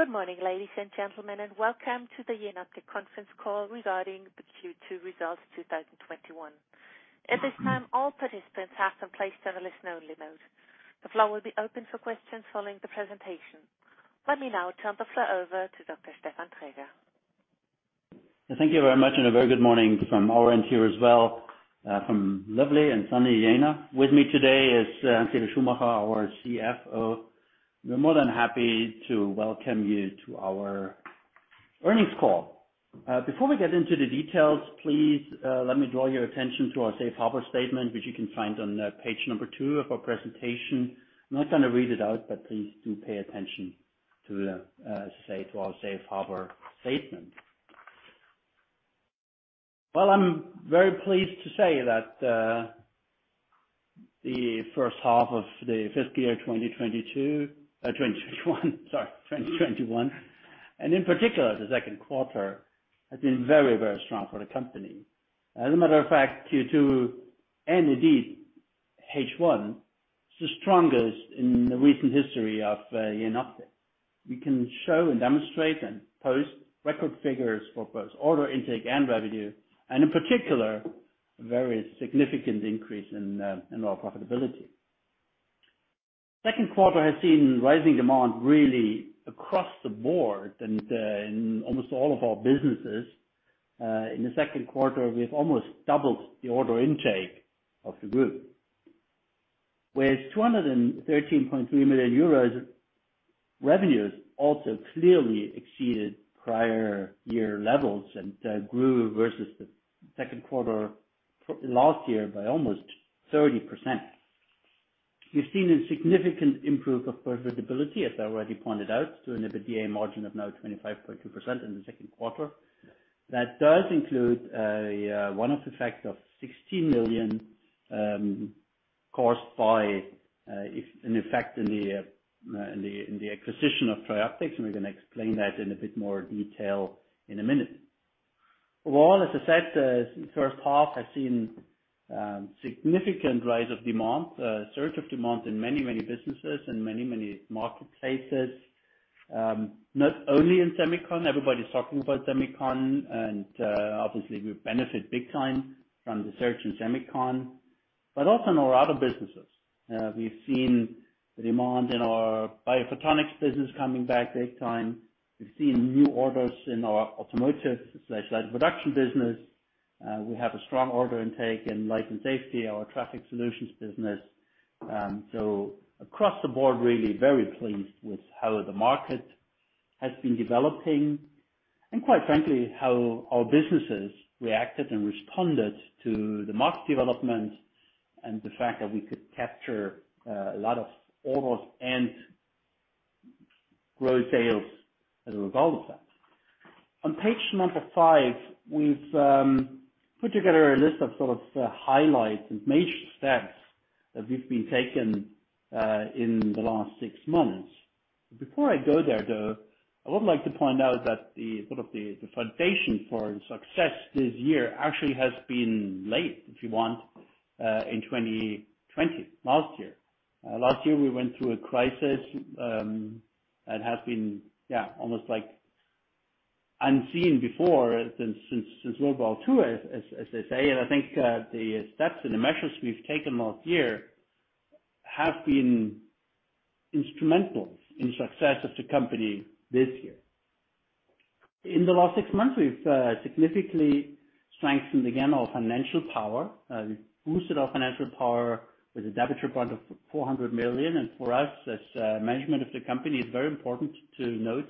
Good morning, ladies and gentlemen, and welcome to the Jenoptik Conference Call Regarding the Q2 Results 2021. At this time, all participants are in listen-only mode. The floor will be open for questions following the presentation. Let me now turn the floor over to Dr. Stefan Traeger. Thank you very much, a very good morning from our end here as well, from lovely and sunny Jena. With me today is Hans-Dieter Schumacher, our CFO. We're more than happy to welcome you to our earnings call. Before we get into the details, please let me draw your attention to our safe harbor statement, which you can find on page 2 of our presentation. I'm not going to read it out, please do pay attention to our safe harbor statement. Well, I'm very pleased to say that the first half of the fiscal year 2021, and in particular, the second quarter, has been very strong for the company. As a matter of fact, Q2 and indeed H1, is the strongest in the recent history of Jenoptik. We can show and demonstrate and post record figures for both order intake and revenue, and in particular, a very significant increase in our profitability. Second quarter has seen rising demand really across the board and in almost all of our businesses. In the second quarter, we have almost doubled the order intake of the group. With 213.3 million euros, revenues also clearly exceeded prior year levels and grew versus the second quarter last year by almost 30%. We've seen a significant improvement of profitability, as I already pointed out, to an EBITDA margin of now 25.2% in the second quarter. That does include a one-off effect of 16 million caused by an effect in the acquisition of TRIOPTICS, and we're going to explain that in a bit more detail in a minute. Overall, as I said, the first half has seen significant rise of demand, a surge of demand in many businesses and many marketplaces. Not only in semicon, everybody's talking about semicon. Obviously we benefit big time from the surge in semicon. Also in our other businesses. We've seen the demand in our biophotonics business coming back big time. We've seen new orders in our automotive/light production business. We have a strong order intake in Light & Safety, our traffic solutions business. Across the board, really very pleased with how the market has been developing and quite frankly, how our businesses reacted and responded to the market development and the fact that we could capture a lot of orders and grow sales as a result of that. On page number 5, we've put together a list of sort of highlights and major steps that we've been taking in the last six months. Before I go there, though, I would like to point out that the foundation for success this year actually has been late, if you want, in 2020, last year. Last year, we went through a crisis that has been almost unseen before since World War II, as they say. I think the steps and the measures we've taken last year have been instrumental in success of the company this year. In the last six months, we've significantly strengthened again our financial power. We've boosted our financial power with a Schuldscheindarlehen of 400 million. For us, as management of the company, it's very important to note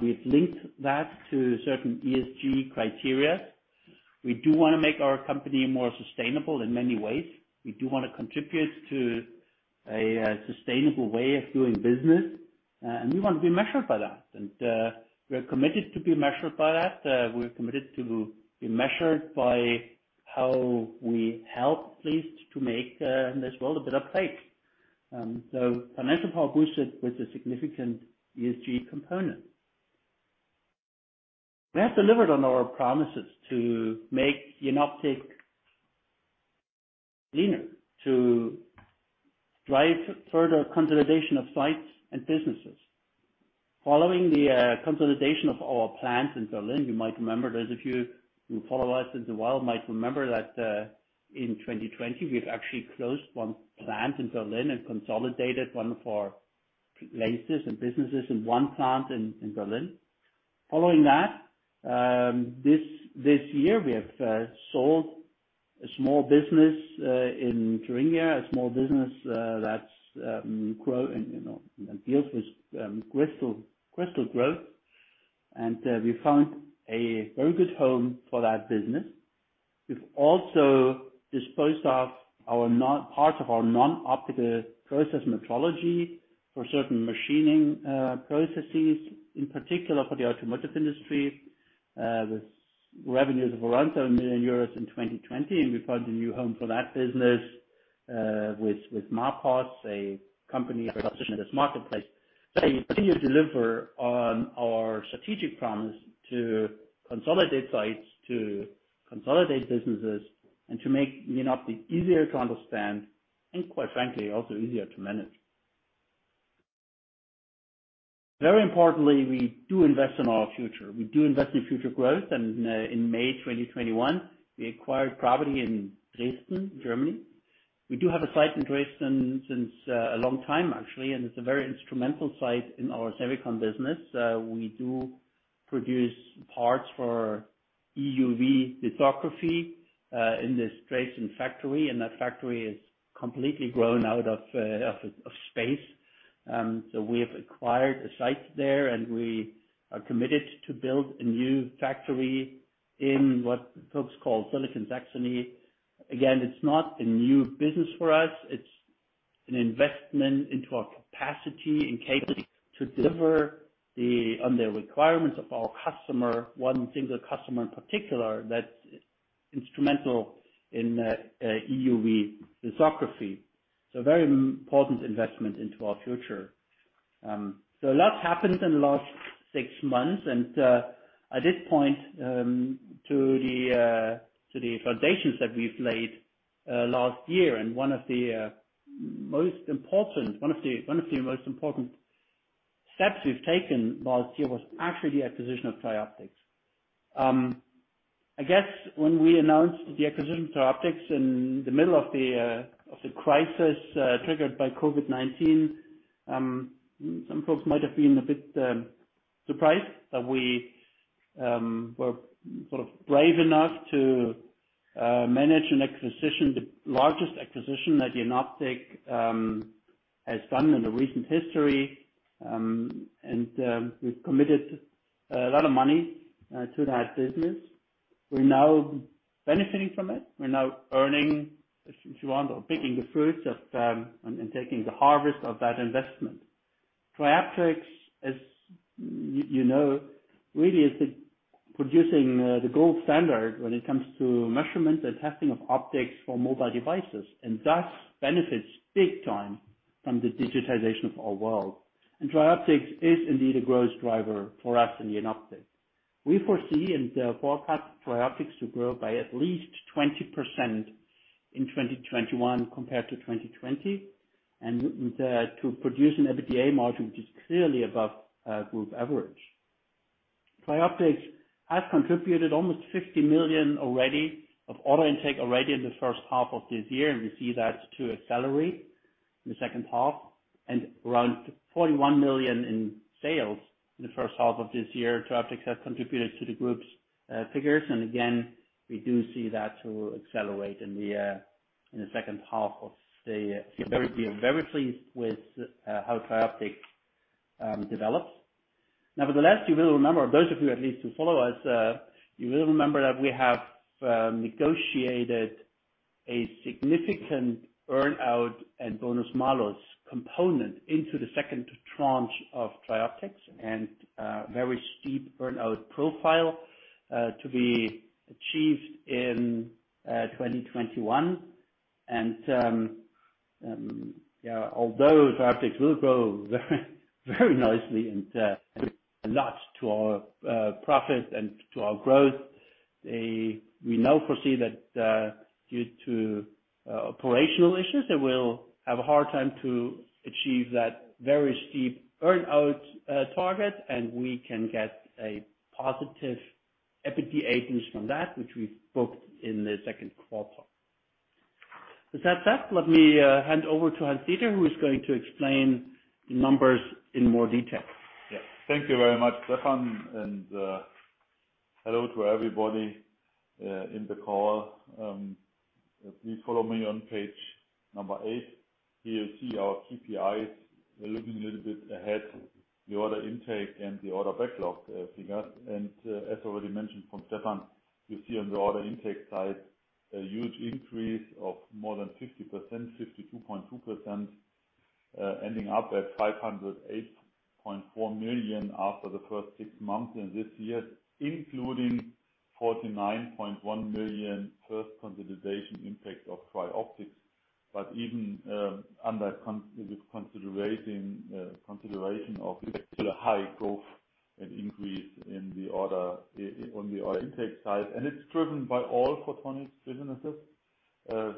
we've linked that to certain ESG criteria. We do want to make our company more sustainable in many ways. We do want to contribute to a sustainable way of doing business, and we want to be measured by that. We are committed to be measured by that. We are committed to be measured by how we help place to make this world a better place. Financial power boosted with a significant ESG component. We have delivered on our promises to make Jenoptik leaner, to drive further consolidation of sites and businesses. Following the consolidation of our plants in Berlin, you might remember those of you who follow us in the world might remember that in 2020, we've actually closed one plant in Berlin and consolidated one of our places and businesses in one plant in Berlin. This year, we have sold a small business in Thuringia, a small business that deals with crystal growth. We found a very good home for that business. We've also disposed of part of our non-optical process metrology for certain machining processes, in particular for the automotive industry, with revenues of around 7 million euros in 2020. We found a new home for that business with Marposs, a company well positioned in this marketplace. We continue to deliver on our strategic promise to consolidate sites, to consolidate businesses, and to make Jenoptik easier to understand. Quite frankly, also easier to manage. Very importantly, we do invest in our future. We do invest in future growth, and in May 2021, we acquired property in Dresden, Germany. We do have a site in Dresden since a long time actually, and it is a very instrumental site in our semicon business. We do produce parts for EUV lithography in this Dresden factory, and that factory is completely grown out of space. We have acquired a site there, and we are committed to build a new factory in what folks call Silicon Saxony. It is not a new business for us. It is an investment into our capacity and capability to deliver on the requirements of our customer, one single customer in particular, that is instrumental in EUV lithography. A very important investment into our future. A lot happened in the last six months, and I did point to the foundations that we have laid last year, and one of the most important steps we have taken last year was actually the acquisition of TRIOPTICS. I guess when we announced the acquisition of TRIOPTICS in the middle of the crisis triggered by COVID-19, some folks might have been a bit surprised that we were brave enough to manage an acquisition, the largest acquisition that Jenoptik has done in the recent history. We've committed a lot of money to that business. We're now benefiting from it. We're now earning, if you want, or picking the fruits and taking the harvest of that investment. TRIOPTICS, as you know, really is producing the gold standard when it comes to measurement and testing of optics for mobile devices. Thus benefits big time from the digitization of our world. TRIOPTICS is indeed a growth driver for us in Jenoptik. We foresee in the forecast TRIOPTICS to grow by at least 20% in 2021 compared to 2020, and to produce an EBITDA margin, which is clearly above group average. TRIOPTICS has contributed almost 50 million already of order intake already in the first half of this year, and we see that to accelerate in the second half and around 41 million in sales in the first half of this year. TRIOPTICS has contributed to the group's figures. Again, we do see that to accelerate in the second half of the year. We are very pleased with how TRIOPTICS develops. Nevertheless, you will remember, those of you at least who follow us, you will remember that we have negotiated a significant earn-out and bonus models component into the second tranche of TRIOPTICS and a very steep earn-out profile to be achieved in 2021. Although TRIOPTICS will grow very nicely and contribute a lot to our profit and to our growth, we now foresee that due to operational issues, they will have a hard time to achieve that very steep earn-out target, and we can get a positive EBITDA from that, which we booked in the second quarter. With that said, let me hand over to Hans-Dieter, who is going to explain the numbers in more detail. Yes. Thank you very much, Stefan. Hello to everybody in the call. Please follow me on page number 8. Here you see our KPIs. We're looking a little bit ahead, the order intake and the order backlog figures. As already mentioned from Stefan, you see on the order intake side a huge increase of more than 50%, 52.2%, ending up at 508.4 million after the first six months in this year, including 49.1 million first consolidation impact of TRIOPTICS. Even under consideration of the high growth and increase on the order intake side. It's driven by all photonics businesses.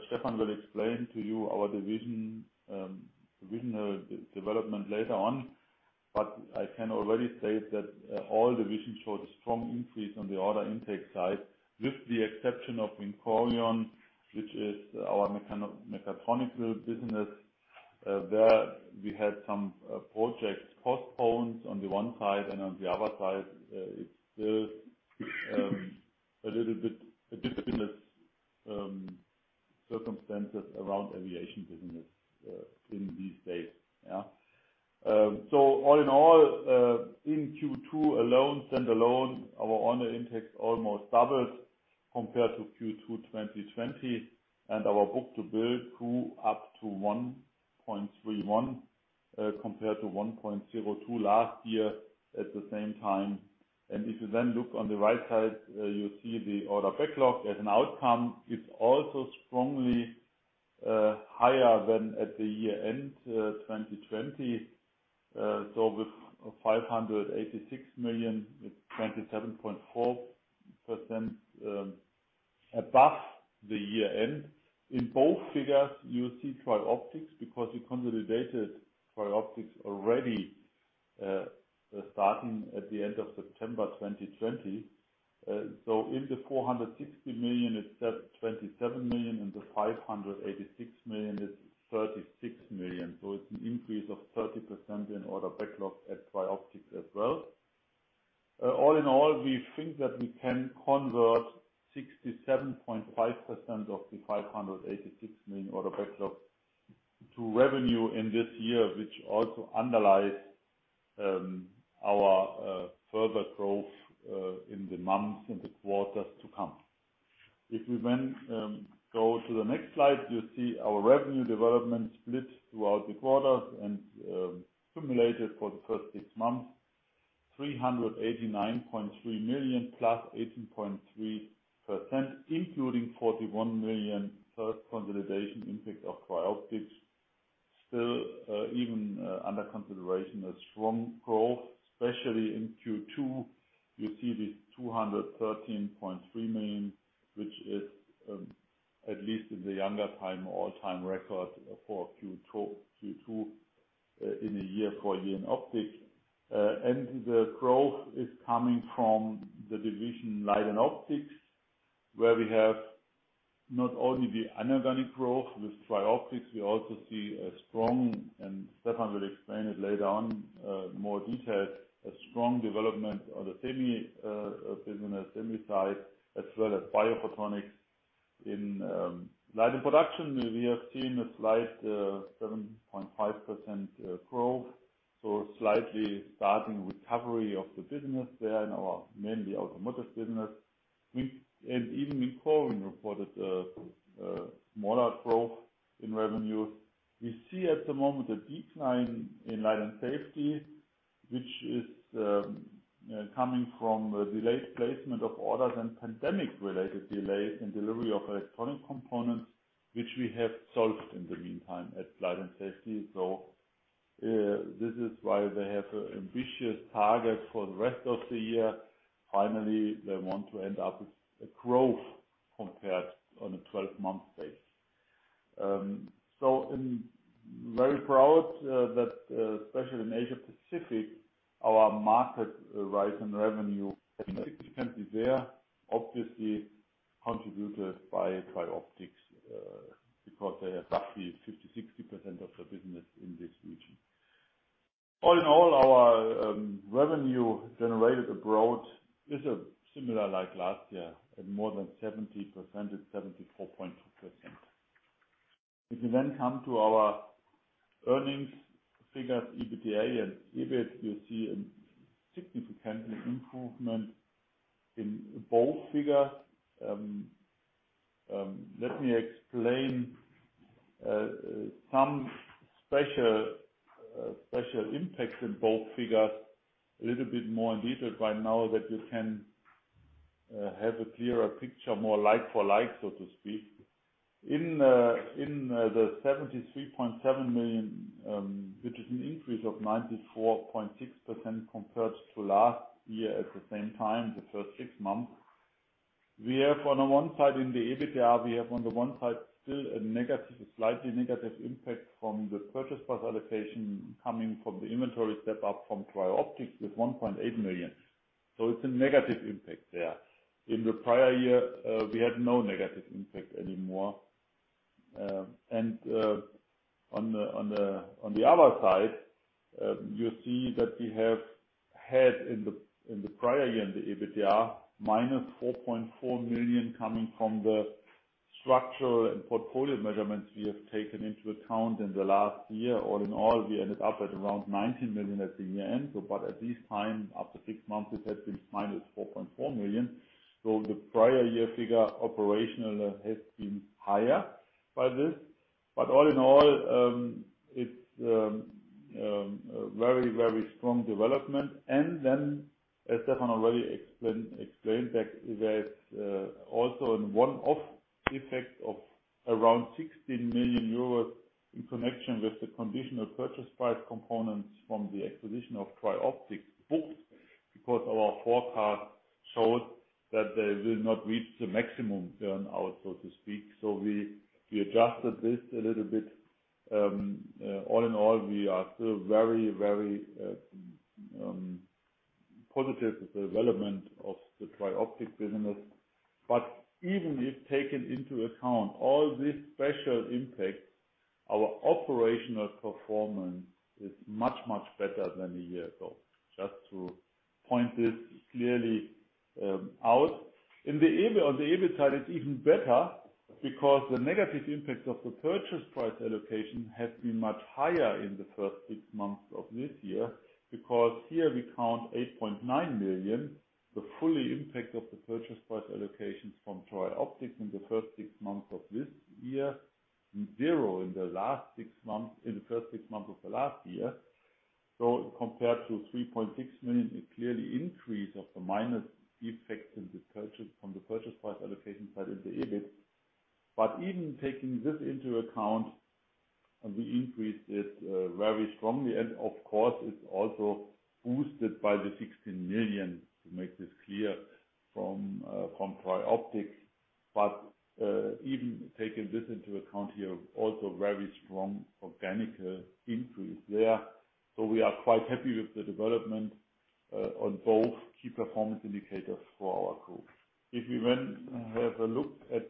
Stefan will explain to you our divisional development later on. I can already say that all divisions showed a strong increase on the order intake side, with the exception of VINCORION, which is our mechatronics business. There we had some projects postponed on the one side and on the other side, it's still a little bit business circumstances around aviation business in these days. All in all, in Q2 alone, stand alone, our order intake almost doubled compared to Q2 2020, our book-to-bill grew up to 1.31 compared to 1.02 last year at the same time. If you look on the right side, you see the order backlog as an outcome. It's also strongly higher than at the year-end 2020. With 586 million, it's 27.4% above the year end. In both figures, you see TRIOPTICS because we consolidated TRIOPTICS already starting at the end of September 2020. In the 460 million, it's at 27 million, the 586 million is 36 million. It's an increase of 30% in order backlog at TRIOPTICS as well. All in all, we think that we can convert 67.5% of the 586 million order backlog to revenue in this year, which also underlies our further growth in the months and the quarters to come. We go to the next slide, you see our revenue development split throughout the quarter and cumulated for the first six months, 389.3 million plus 18.3%, including 41 million first consolidation impact of TRIOPTICS. Still, even under consideration, a strong growth, especially in Q2. You see this 213.3 million, which is at least in the younger time, all-time record for Q2 in a year for Jenoptik. The growth is coming from the division Light & Optics, where we have not only the inorganic growth with TRIOPTICS. We also see, and Stefan will explain it later on in more detail, a strong development of the semi business, semi side, as well as biophotonics. In Light & Production, we have seen a slight 7.5% growth, slightly starting recovery of the business there in our mainly automotive business. Even in COVID reported a modest growth in revenue. We see at the moment a decline in Light & Safety, which is coming from a delayed placement of orders and pandemic-related delays in delivery of electronic components, which we have solved in the meantime at Light & Safety. This is why they have an ambitious target for the rest of the year. Finally, they want to end up with a growth compared on a 12-month base. I'm very proud that especially in Asia-Pacific, our market rise in revenue has been significantly there, obviously contributed by TRIOPTICS, because they have roughly 50%-60% of their business in this region. All in all, our revenue generated abroad is similar like last year at more than 70%. It's 74.2%. If you come to our earnings figures, EBITDA and EBIT, you see a significant improvement in both figures. Let me explain some special impacts in both figures a little bit more in detail by now that you can have a clearer picture, more like for like, so to speak. In the 73.7 million, which is an increase of 94.6% compared to last year at the same time, the first six months. We have on the one side in the EBITDA, we have on the one side still a slightly negative impact from the purchase price allocation coming from the inventory step-up from TRIOPTICS with 1.8 million. It's a negative impact there. In the prior year, we had no negative impact anymore. On the other side, you see that we have had in the prior year, in the EBITDA, -4.4 million coming from the structural and portfolio measurements we have taken into account in the last year. All in all, we ended up at around 19 million at the year end. At this time, after six months, it has been -4.4 million. The prior year figure operational has been higher by this. All in all, it's a very strong development. As Stefan already explained that there is also a one-off effect of around 16 million euros in connection with the conditional purchase price components from the acquisition of TRIOPTICS booked because our forecast showed that they will not reach the maximum earn-out, so to speak. We adjusted this a little bit. All in all, we are still very positive with the development of the TRIOPTICS business. Even if taken into account all these special impacts, our operational performance is much, much better than one year ago. Just to point this clearly out. On the EBIT side, it's even better because the negative impact of the purchase price allocation has been much higher in the first six months of this year because here we count 8.9 million. The full impact of the purchase price allocations from TRIOPTICS in the first six months of this year, zero in the first six months of the last year. Compared to 3.6 million, a clear increase of the minus effects from the purchase price allocation side in the EBIT. Even taking this into account, we increased it very strongly. Of course, it is also boosted by the 16 million, to make this clear, from TRIOPTICS. Even taking this into account here, also very strong organic increase there. We are quite happy with the development on both key performance indicators for our group. If we have a look at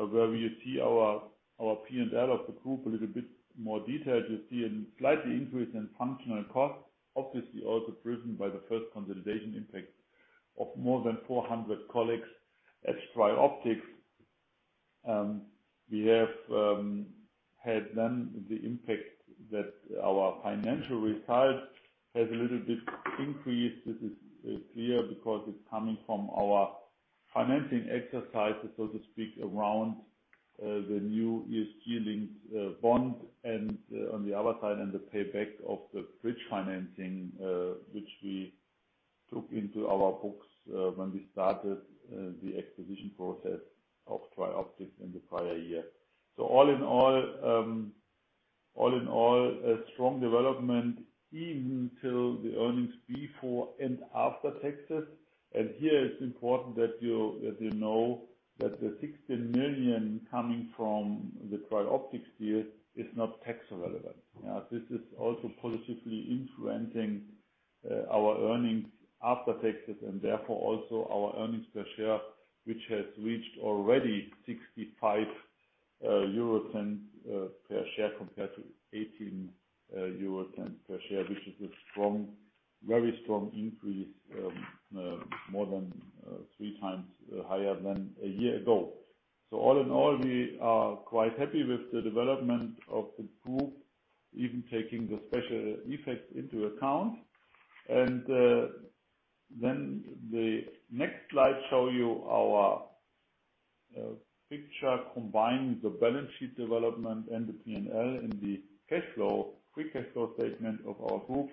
page 11, where we see our P&L of the group a little bit more detailed. You see a slight increase in functional costs, obviously also driven by the first consolidation impact of more than 400 colleagues at TRIOPTICS. We have had the impact that our financial results has a little bit increased. This is clear because it's coming from our financing exercises, so to speak, around the new ESG-linked bond and on the other side, and the payback of the bridge financing, which we took into our books when we started the acquisition process of TRIOPTICS in the prior year. All in all, a strong development even till the earnings before and after taxes. Here it's important that you know that the 16 million coming from the TRIOPTICS deal is not tax relevant. This is also positively influencing our earnings after taxes and therefore also our earnings per share, which has reached already 65.10 euro per share compared to 18.10 euro per share, which is a very strong increase, more than three times higher than a year ago. All in all, we are quite happy with the development of the group, even taking the special effects into account. The next slide show you our picture combining the balance sheet development and the P&L in the cash flow, free cash flow statement of our Group.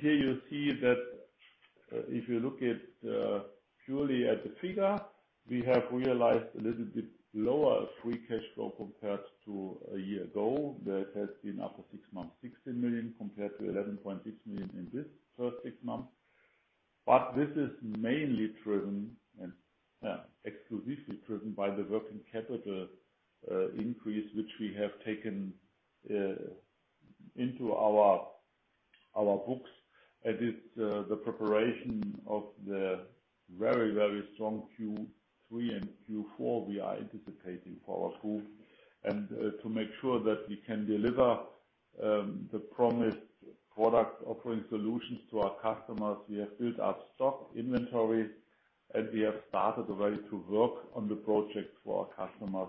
Here you see that if you look purely at the figure, we have realized a little bit lower free cash flow compared to a year ago. That has been after six months, 16 million compared to 11.6 million in this first six months. This is mainly driven and exclusively driven by the working capital increase, which we have taken into our books as it's the preparation of the very, very strong Q3 and Q4 we are anticipating for our Group. To make sure that we can deliver the promised product offering solutions to our customers, we have built up stock inventory, and we have started already to work on the projects for our customers.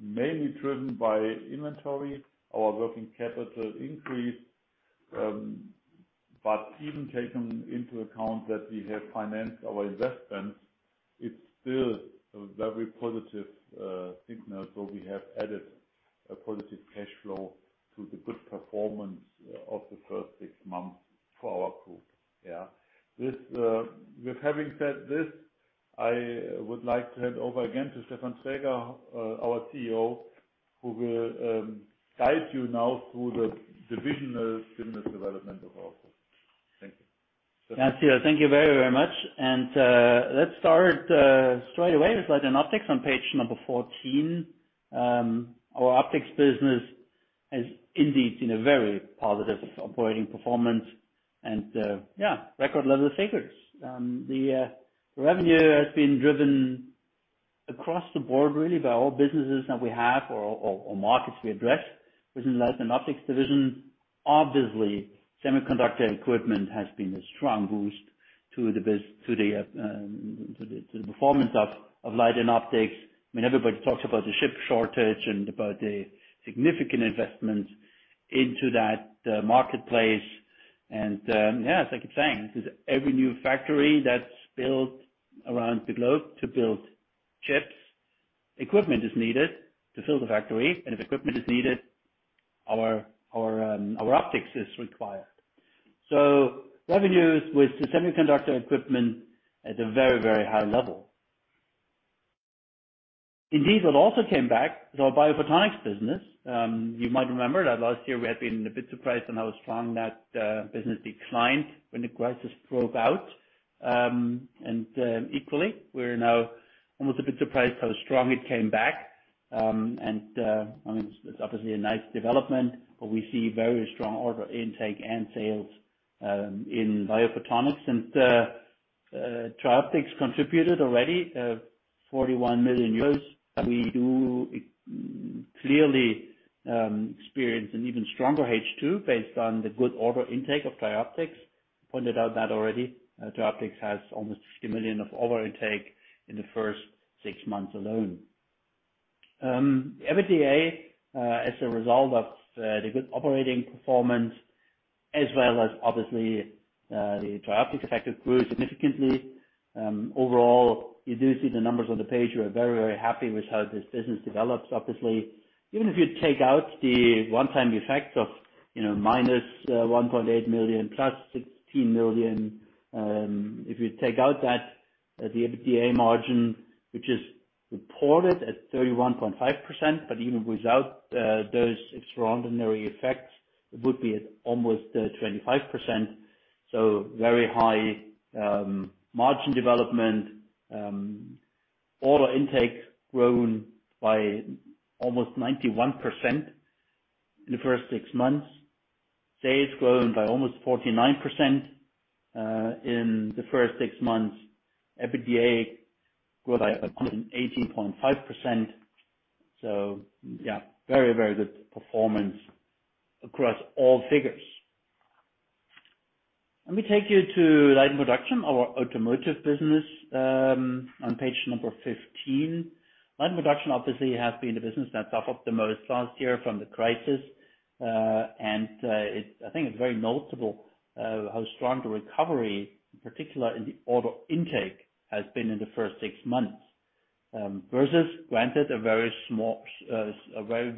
Mainly driven by inventory, our working capital increase. Even taking into account that we have financed our investments, it's still a very positive signal. We have added a positive cash flow to the good performance of the first six months for our group. With having said this, I would like to hand over again to Stefan Traeger, our CEO, who will guide you now through the divisional business development of our group. Thank you. Hans, thank you very, very much. Let's start straight away with Light & Optics on page 14. Our optics business has indeed seen a very positive operating performance, and record level figures. The revenue has been driven across the board, really by all businesses that we have or markets we address within Light & Optics division. Obviously, semiconductor equipment has been a strong boost to the performance of Light & Optics. I mean, everybody talks about the chip shortage and about the significant investment into that marketplace. Yeah, it's like I'm saying, every new factory that's built around the globe to build chips, equipment is needed to fill the factory. If equipment is needed, our optics is required. Revenues with the semiconductor equipment at a very, very high level. Indeed, what also came back is our biophotonics business. You might remember that last year we had been a bit surprised on how strong that business declined when the crisis broke out. Equally, we're now almost a bit surprised how strong it came back. I mean, it's obviously a nice development. We see very strong order intake and sales in biophotonics. TRIOPTICS contributed already 41 million euros. We do clearly experience an even stronger H2 based on the good order intake of TRIOPTICS. Pointed out that already. TRIOPTICS has almost 60 million of order intake in the first six months alone. EBITDA, as a result of the good operating performance as well as obviously the TRIOPTICS effect, improved significantly. Overall, you do see the numbers on the page. We are very, very happy with how this business develops. Obviously, even if you take out the one-time effect of minus 1.8 million plus 16 million. If you take out that, the EBITDA margin, which is reported at 31.5%, but even without those extraordinary effects, it would be at almost 25%. Very high margin development. Order intake grown by almost 91% in the first six months. Sales grown by almost 49% in the first six months. EBITDA grew by 118.5%. Very good performance across all figures. Let me take you to Light & Production, our automotive business, on page number 15. Light & Production obviously has been the business that suffered the most last year from the crisis. I think it's very notable how strong the recovery, in particular in the order intake, has been in the first six months, versus, granted, a very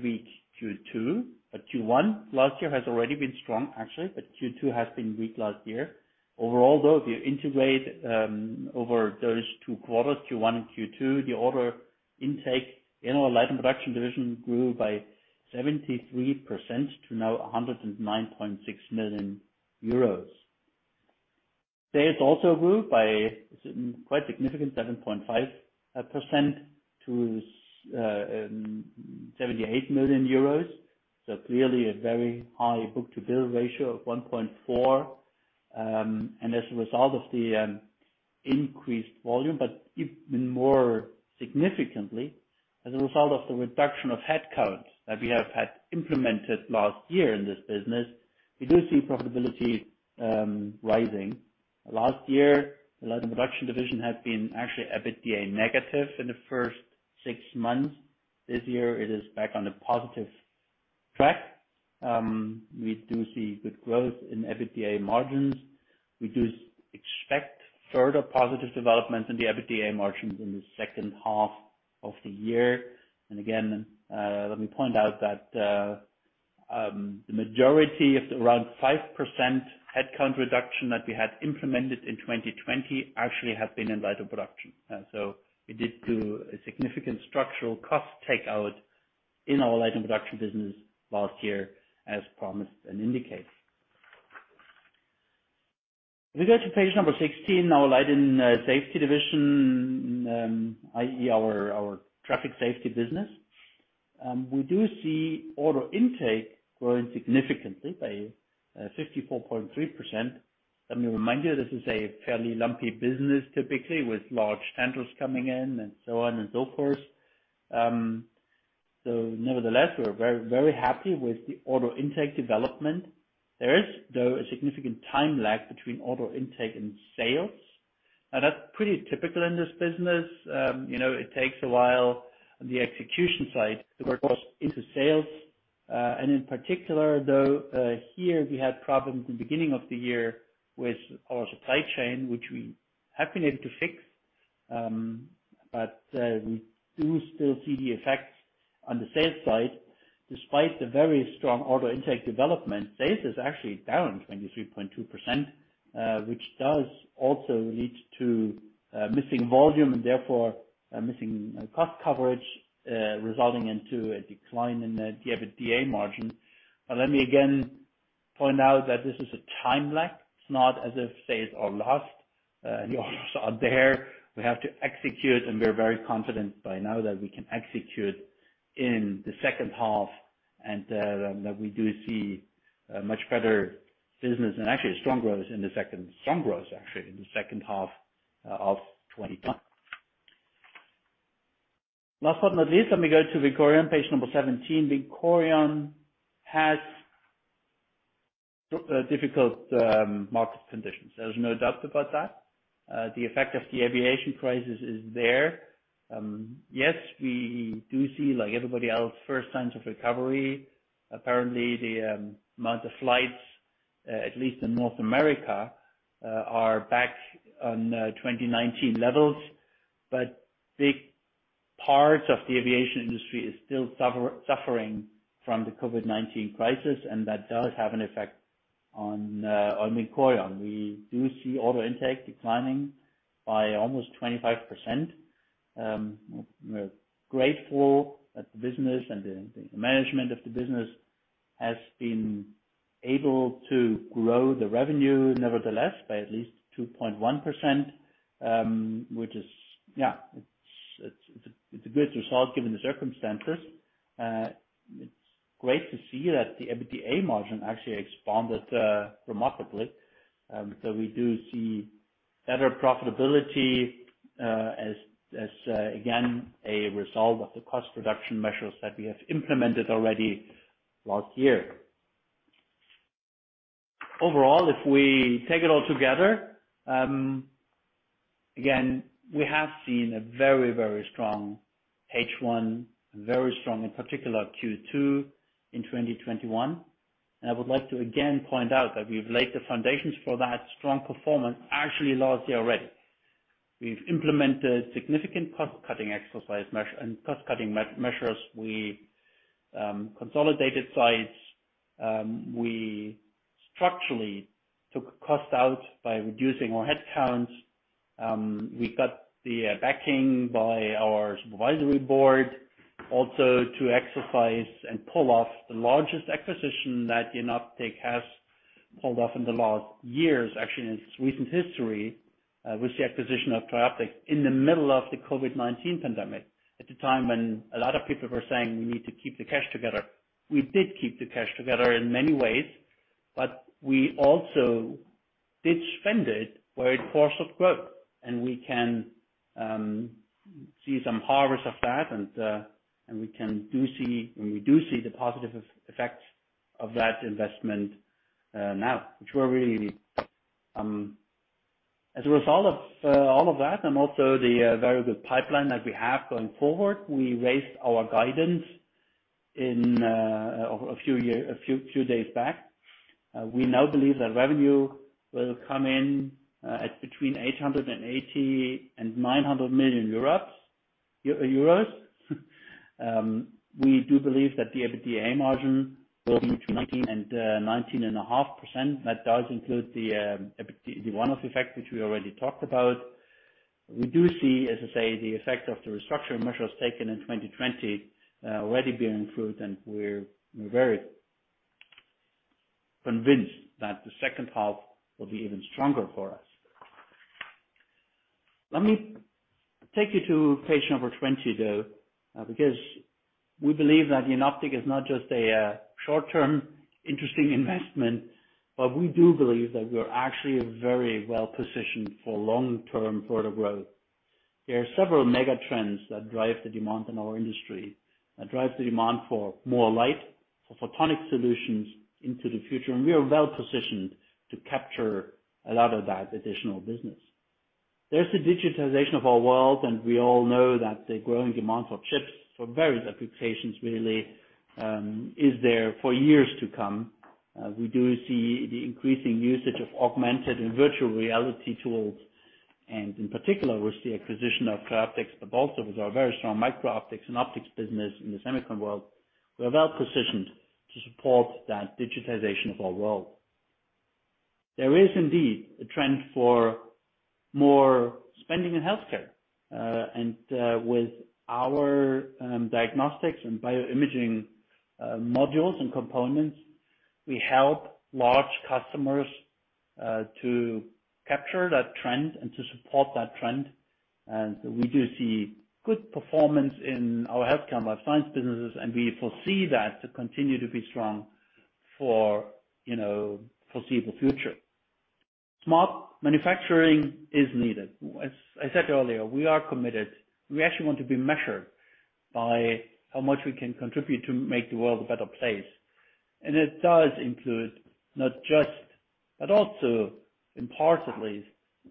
weak Q2. Q1 last year has already been strong, actually, but Q2 has been weak last year. Overall, though, if you integrate over those two quarters, Q1 and Q2, the order intake in our Light & Production division grew by 73% to now 109.6 million euros. Sales also grew by quite significant 7.5% to 78 million euros. Clearly a very high book-to-bill ratio of 1.4. As a result of the increased volume, but even more significantly, as a result of the reduction of headcounts that we have had implemented last year in this business, we do see profitability rising. Last year, the Light & Production division had been actually EBITDA negative in the first six months. This year, it is back on the positive track. We do see good growth in EBITDA margins. We do expect further positive developments in the EBITDA margins in the second half of the year. Again, let me point out that the majority of the around 5% headcount reduction that we had implemented in 2020 actually has been in Light & Production. We did do a significant structural cost takeout in our Light & Production business last year as promised and indicated. If we go to page number 16, our Light & Safety division, i.e., our traffic safety business. We do see order intake growing significantly by 54.3%. Let me remind you, this is a fairly lumpy business, typically with large tenders coming in and so on and so forth. Nevertheless, we're very happy with the order intake development. There is, though, a significant time lag between order intake and sales. Now, that's pretty typical in this business. It takes a while on the execution side to work those into sales. In particular, though, here we had problems in the beginning of the year with our supply chain, which we have been able to fix. We do still see the effects on the sales side. Despite the very strong order intake development, sales is actually down 23.2%, which does also lead to missing volume and therefore missing cost coverage, resulting into a decline in the EBITDA margin. Let me again point out that this is a time lag. It's not as if sales are lost. The orders are there. We have to execute, and we're very confident by now that we can execute in the second half and that we do see much better business and actually strong growth in the second half of 2021. Last but not least, let me go to VINCORION, page number 17. VINCORION has difficult market conditions. There's no doubt about that. The effect of the aviation crisis is there. Yes, we do see, like everybody else, first signs of recovery. Apparently, the amount of flights, at least in North America, are back on 2019 levels. Big parts of the aviation industry is still suffering from the COVID-19 crisis, and that does have an effect on VINCORION. We do see order intake declining by almost 25%. We're grateful that the business and the management of the business has been able to grow the revenue, nevertheless, by at least 2.1%, which is a good result given the circumstances. It's great to see that the EBITDA margin actually expanded remarkably. We do see better profitability as, again, a result of the cost reduction measures that we have implemented already last year. Overall, if we take it all together, again, we have seen a very strong H1, very strong in particular Q2 in 2021. I would like to, again, point out that we've laid the foundations for that strong performance actually last year already. We've implemented significant cost-cutting exercise and cost-cutting measures. We consolidated sites. We structurally took cost out by reducing our headcounts. We got the backing by our supervisory board also to exercise and pull off the largest acquisition that Jenoptik has pulled off in the last years, actually, in its recent history, with the acquisition of TRIOPTICS in the middle of the COVID-19 pandemic, at the time when a lot of people were saying we need to keep the cash together. We did keep the cash together in many ways, we also did spend it where it fostered growth. We can see some harvest of that and we do see the positive effects of that investment now. As a result of all of that and also the very good pipeline that we have going forward, we raised our guidance a few days back. We now believe that revenue will come in at between 880 million and 900 million euros. We do believe that the EBITDA margin will be between 19% and 19.5%. That does include the one-off effect, which we already talked about. We do see, as I say, the effect of the restructuring measures taken in 2020 already bearing fruit. We're very convinced that the second half will be even stronger for us. Let me take you to page number 20, though, because we believe that Jenoptik is not just a short-term interesting investment, but we do believe that we're actually very well-positioned for long-term further growth. There are several mega trends that drive the demand in our industry, that drive the demand for more light, for photonic solutions into the future, and we are well-positioned to capture a lot of that additional business. There's the digitization of our world, and we all know that the growing demand for chips for various applications really is there for years to come. We do see the increasing usage of augmented and virtual reality tools, and in particular, with the acquisition of TRIOPTICS, but also with our very strong micro-optics and optics business in the semiconductor world, we are well-positioned to support that digitization of our world. There is indeed a trend for more spending in healthcare. With our diagnostics and bioimaging modules and components, we help large customers to capture that trend and to support that trend. We do see good performance in our healthcare and life science businesses, and we foresee that to continue to be strong for foreseeable future. Smart manufacturing is needed. As I said earlier, we are committed. We actually want to be measured by how much we can contribute to make the world a better place. It does include not just, but also impartedly,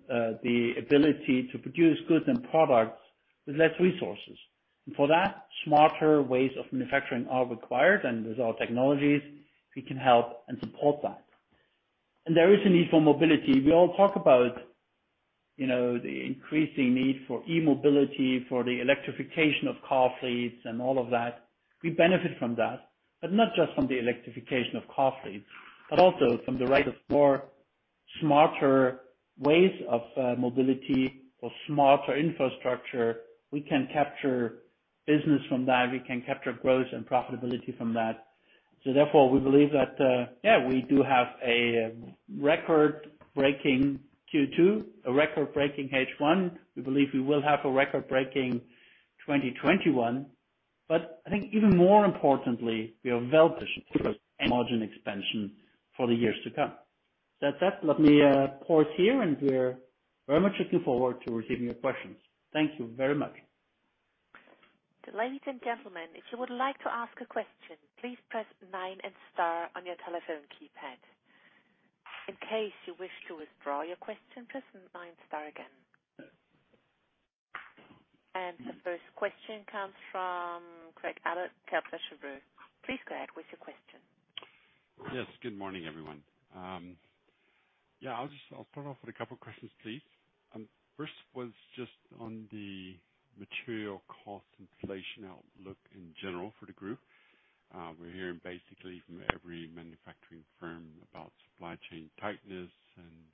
the ability to produce goods and products with less resources. For that, smarter ways of manufacturing are required. With our technologies, we can help and support that. There is a need for mobility. We all talk about the increasing need for e-mobility, for the electrification of car fleets and all of that. We benefit from that, but not just from the electrification of car fleets, but also from the rise of more smarter ways of mobility, of smarter infrastructure. We can capture business from that. We can capture growth and profitability from that. Therefore, we believe that, yeah, we do have a record-breaking Q2, a record-breaking H1. We believe we will have a record-breaking 2021. I think even more importantly, we are well positioned for margin expansion for the years to come. That said, let me pause here and we're very much looking forward to receiving your questions. Thank you very much. Ladies and gentlemen, if you would like to ask a question, please press nine and star on your telephone keypad. In case you wish to withdraw your question, press nine, star again. The first question comes from Craig Abbott, Kepler Cheuvreux. Please go ahead with your question. Yes, good morning everyone. I have a couple of questions please. First was just on material cost inflation outlook in general for the group and basically from every manufacturing firm about supply chain tightness and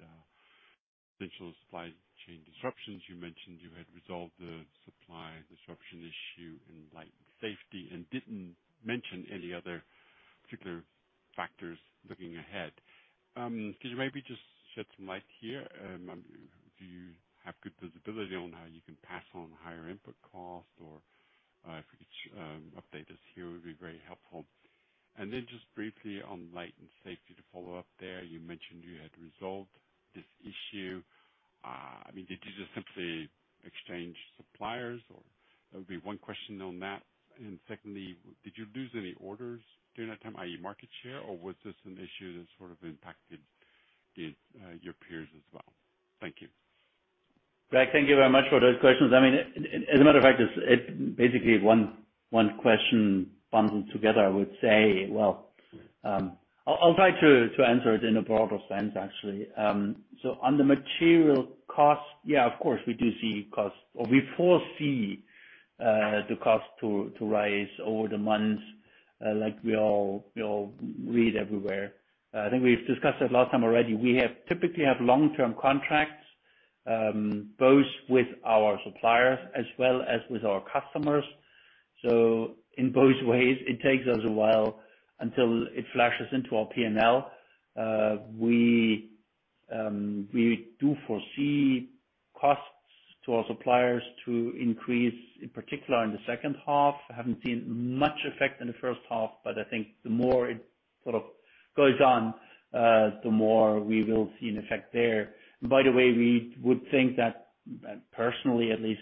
special supply chain disruptions. You mentioned you had resolved the supply disruption issue in safety and didn't mention any other particular factors looking ahead. Could you maybe just shed some light here? Do you have good visibility on how you can pass on higher input cost or? That would be one question on that. Secondly, did you lose any orders during that time, i.e, market share, or was there an issue that sort of impacted you or your peers as well? Thank you. Craig, thank you very much for those questions. I mean, as a matter of fact, it basically one. One question bundled together, I would say. Well, I'll try to answer it in a broader sense, actually. On the material cost, yeah, of course, we do see costs, or we foresee the cost to rise over the months, like we all read everywhere. I think we've discussed that last time already. We typically have long-term contracts, both with our suppliers as well as with our customers. In both ways, it takes us a while until it flashes into our P&L. We do foresee costs to our suppliers to increase, in particular in the second half. I haven't seen much effect in the first half, but I think the more it goes on, the more we will see an effect there. By the way, we would think that, personally, at least,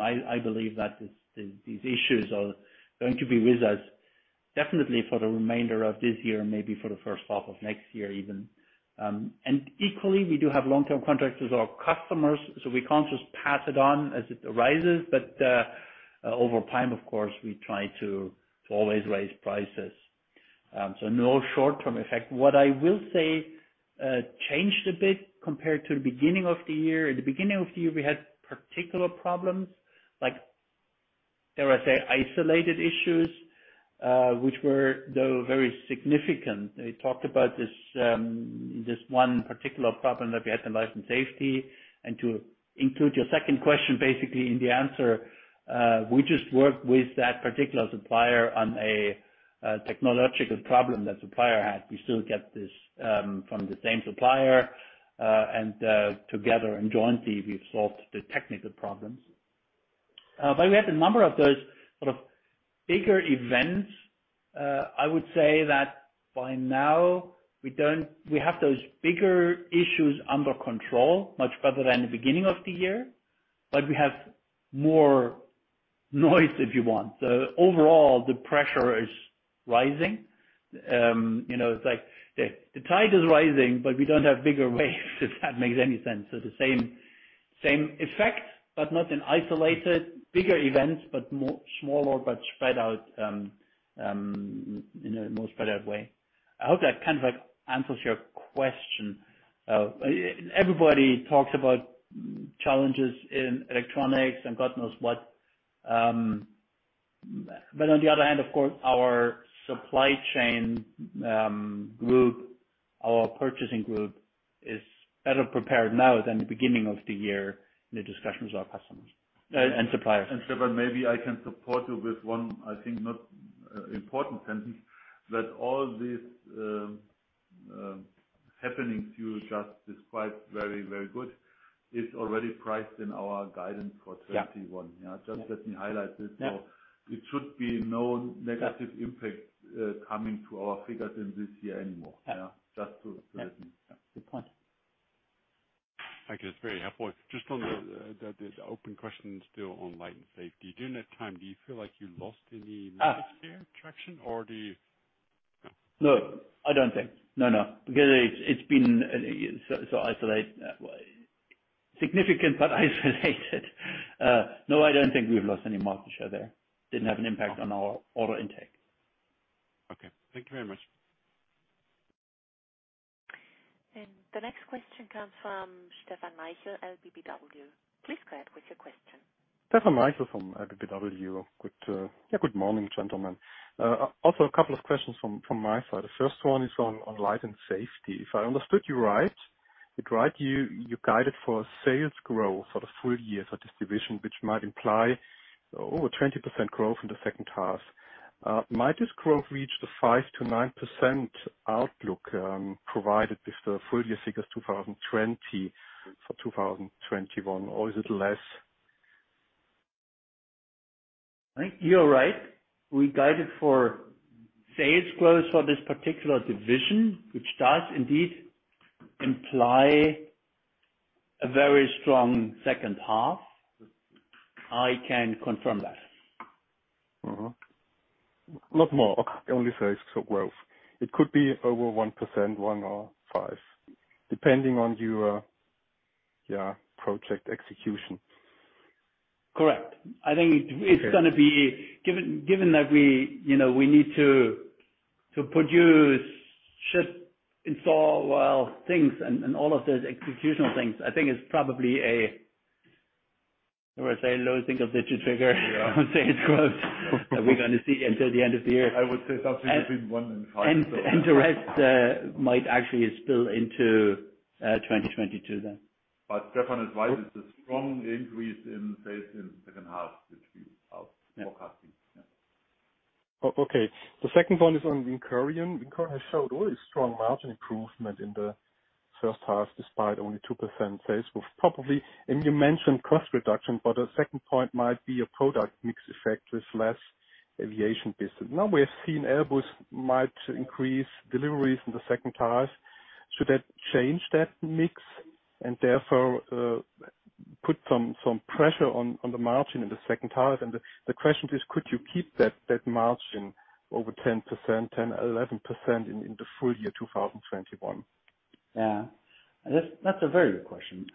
I believe that these issues are going to be with us definitely for the remainder of this year, and maybe for the first half of next year even. Equally, we do have long-term contracts with our customers, so we can't just pass it on as it arises. Over time, of course, we try to always raise prices. No short-term effect. What I will say changed a bit compared to the beginning of the year. At the beginning of the year, we had particular problems. There was isolated issues, which were, though, very significant. We talked about this one particular problem that we had in Light & Safety. To include your second question, basically, in the answer, we just worked with that particular supplier on a technological problem that supplier had. We still get this from the same supplier, and together and jointly, we've solved the technical problems. We had a number of those sort of bigger events. I would say that by now we have those bigger issues under control much better than the beginning of the year, but we have more noise, if you want. Overall, the pressure is rising. It's like the tide is rising, but we don't have bigger waves, if that makes any sense. The same effect, but not in isolated, bigger events, smaller but spread out in a more spread out way. I hope that kind of answers your question. Everybody talks about challenges in electronics and God knows what. On the other hand, of course, our supply chain group, our purchasing group, is better prepared now than the beginning of the year in the discussions with our customers and suppliers. Stefan, maybe I can support you with one, I think, not important sentence, that all these happenings you just described very, very good is already priced in our guidance for 2021. Yeah. Just let me highlight this. Yeah. It should be no negative impact coming to our figures in this year anymore. Yeah. Just to let you know. Yeah. Good point. Thank you. That's very helpful. Just on the open questions still on Light & Safety. During that time, do you feel like you lost any market share traction? No. No, I don't think. No. Because it's been so isolated. Significant, but isolated. No, I don't think we've lost any market share there. Didn't have an impact on our order intake. Okay. Thank you very much. The next question comes from Stefan Maichl, LBBW. Please go ahead with your question. Stefan Maichl from LBBW. Good morning, gentlemen. A couple of questions from my side. The first one is on Light & Safety. If I understood you right, you guided for a sales growth for the full year for this division, which might imply over 20% growth in the second half. Might this growth reach the 5%-9% outlook, provided with the full year figures 2020 for 2021, or is it less? I think you are right. We guided for sales growth for this particular division, which does indeed imply a very strong second half. I can confirm that. Mm-hmm. Lot more. Only sales growth. It could be over 1%, 1% or 5%, depending on your project execution. Correct. I think it's going to be, given that we need to produce, ship, install well things, and all of those executional things, I think it's probably a, how do I say, low single-digit figure. Yeah. Sales growth that we're going to see until the end of the year. I would say something between 1% and 5%. The rest might actually spill into 2022 then. Stefan is right. It's a strong increase in sales in the second half, which we are forecasting. Yeah. Okay. The second one is on VINCORION. VINCORION has showed really strong margin improvement in the first half, despite only 2% sales growth. You mentioned cost reduction, but a second point might be a product mix effect with less aviation business. We have seen Airbus might increase deliveries in the second half. Should that change that mix, and therefore, put some pressure on the margin in the second half? The question is, could you keep that margin over 10%, 11% in the full year 2021? Yeah. That's a very good question.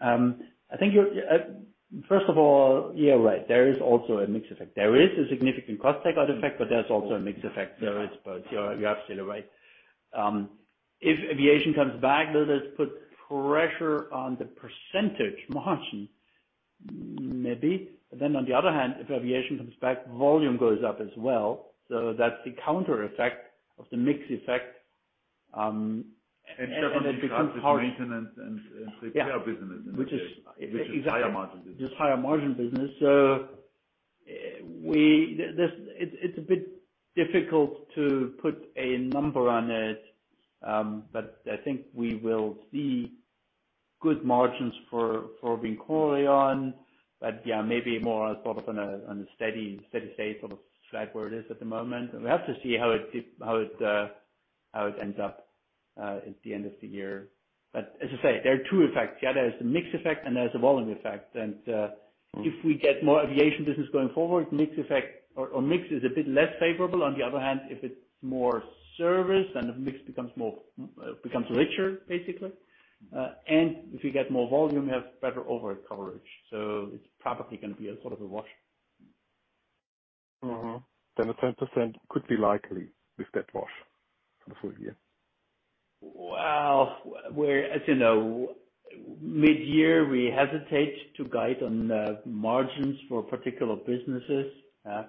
First of all, you're right. There is also a mix effect. There is a significant cost takeout effect, but there's also a mix effect there, I suppose. You're absolutely right. If aviation comes back, will this put pressure on the percentage margin? Maybe. On the other hand, if aviation comes back, volume goes up as well. That's the counter effect of the mix effect. Stefan, this is maintenance and repair business- Yeah ...which is higher margin business. Which is higher margin business. It's a bit difficult to put a number on it. I think we will see good margins for VINCORION. Yeah, maybe more sort of on a steady state, sort of flat where it is at the moment. We have to see how it ends up at the end of the year. As I say, there are two effects. There's the mix effect and there's the volume effect. If we get more aviation business going forward, mix is a bit less favorable. On the other hand, if it's more service, the mix becomes richer, basically. If we get more volume, we have better overhead coverage, it's probably going to be a sort of a wash. Mm-hmm. A 10% could be likely with that wash for the full year? Well, as you know, mid-year, we hesitate to guide on margins for particular businesses. Yeah.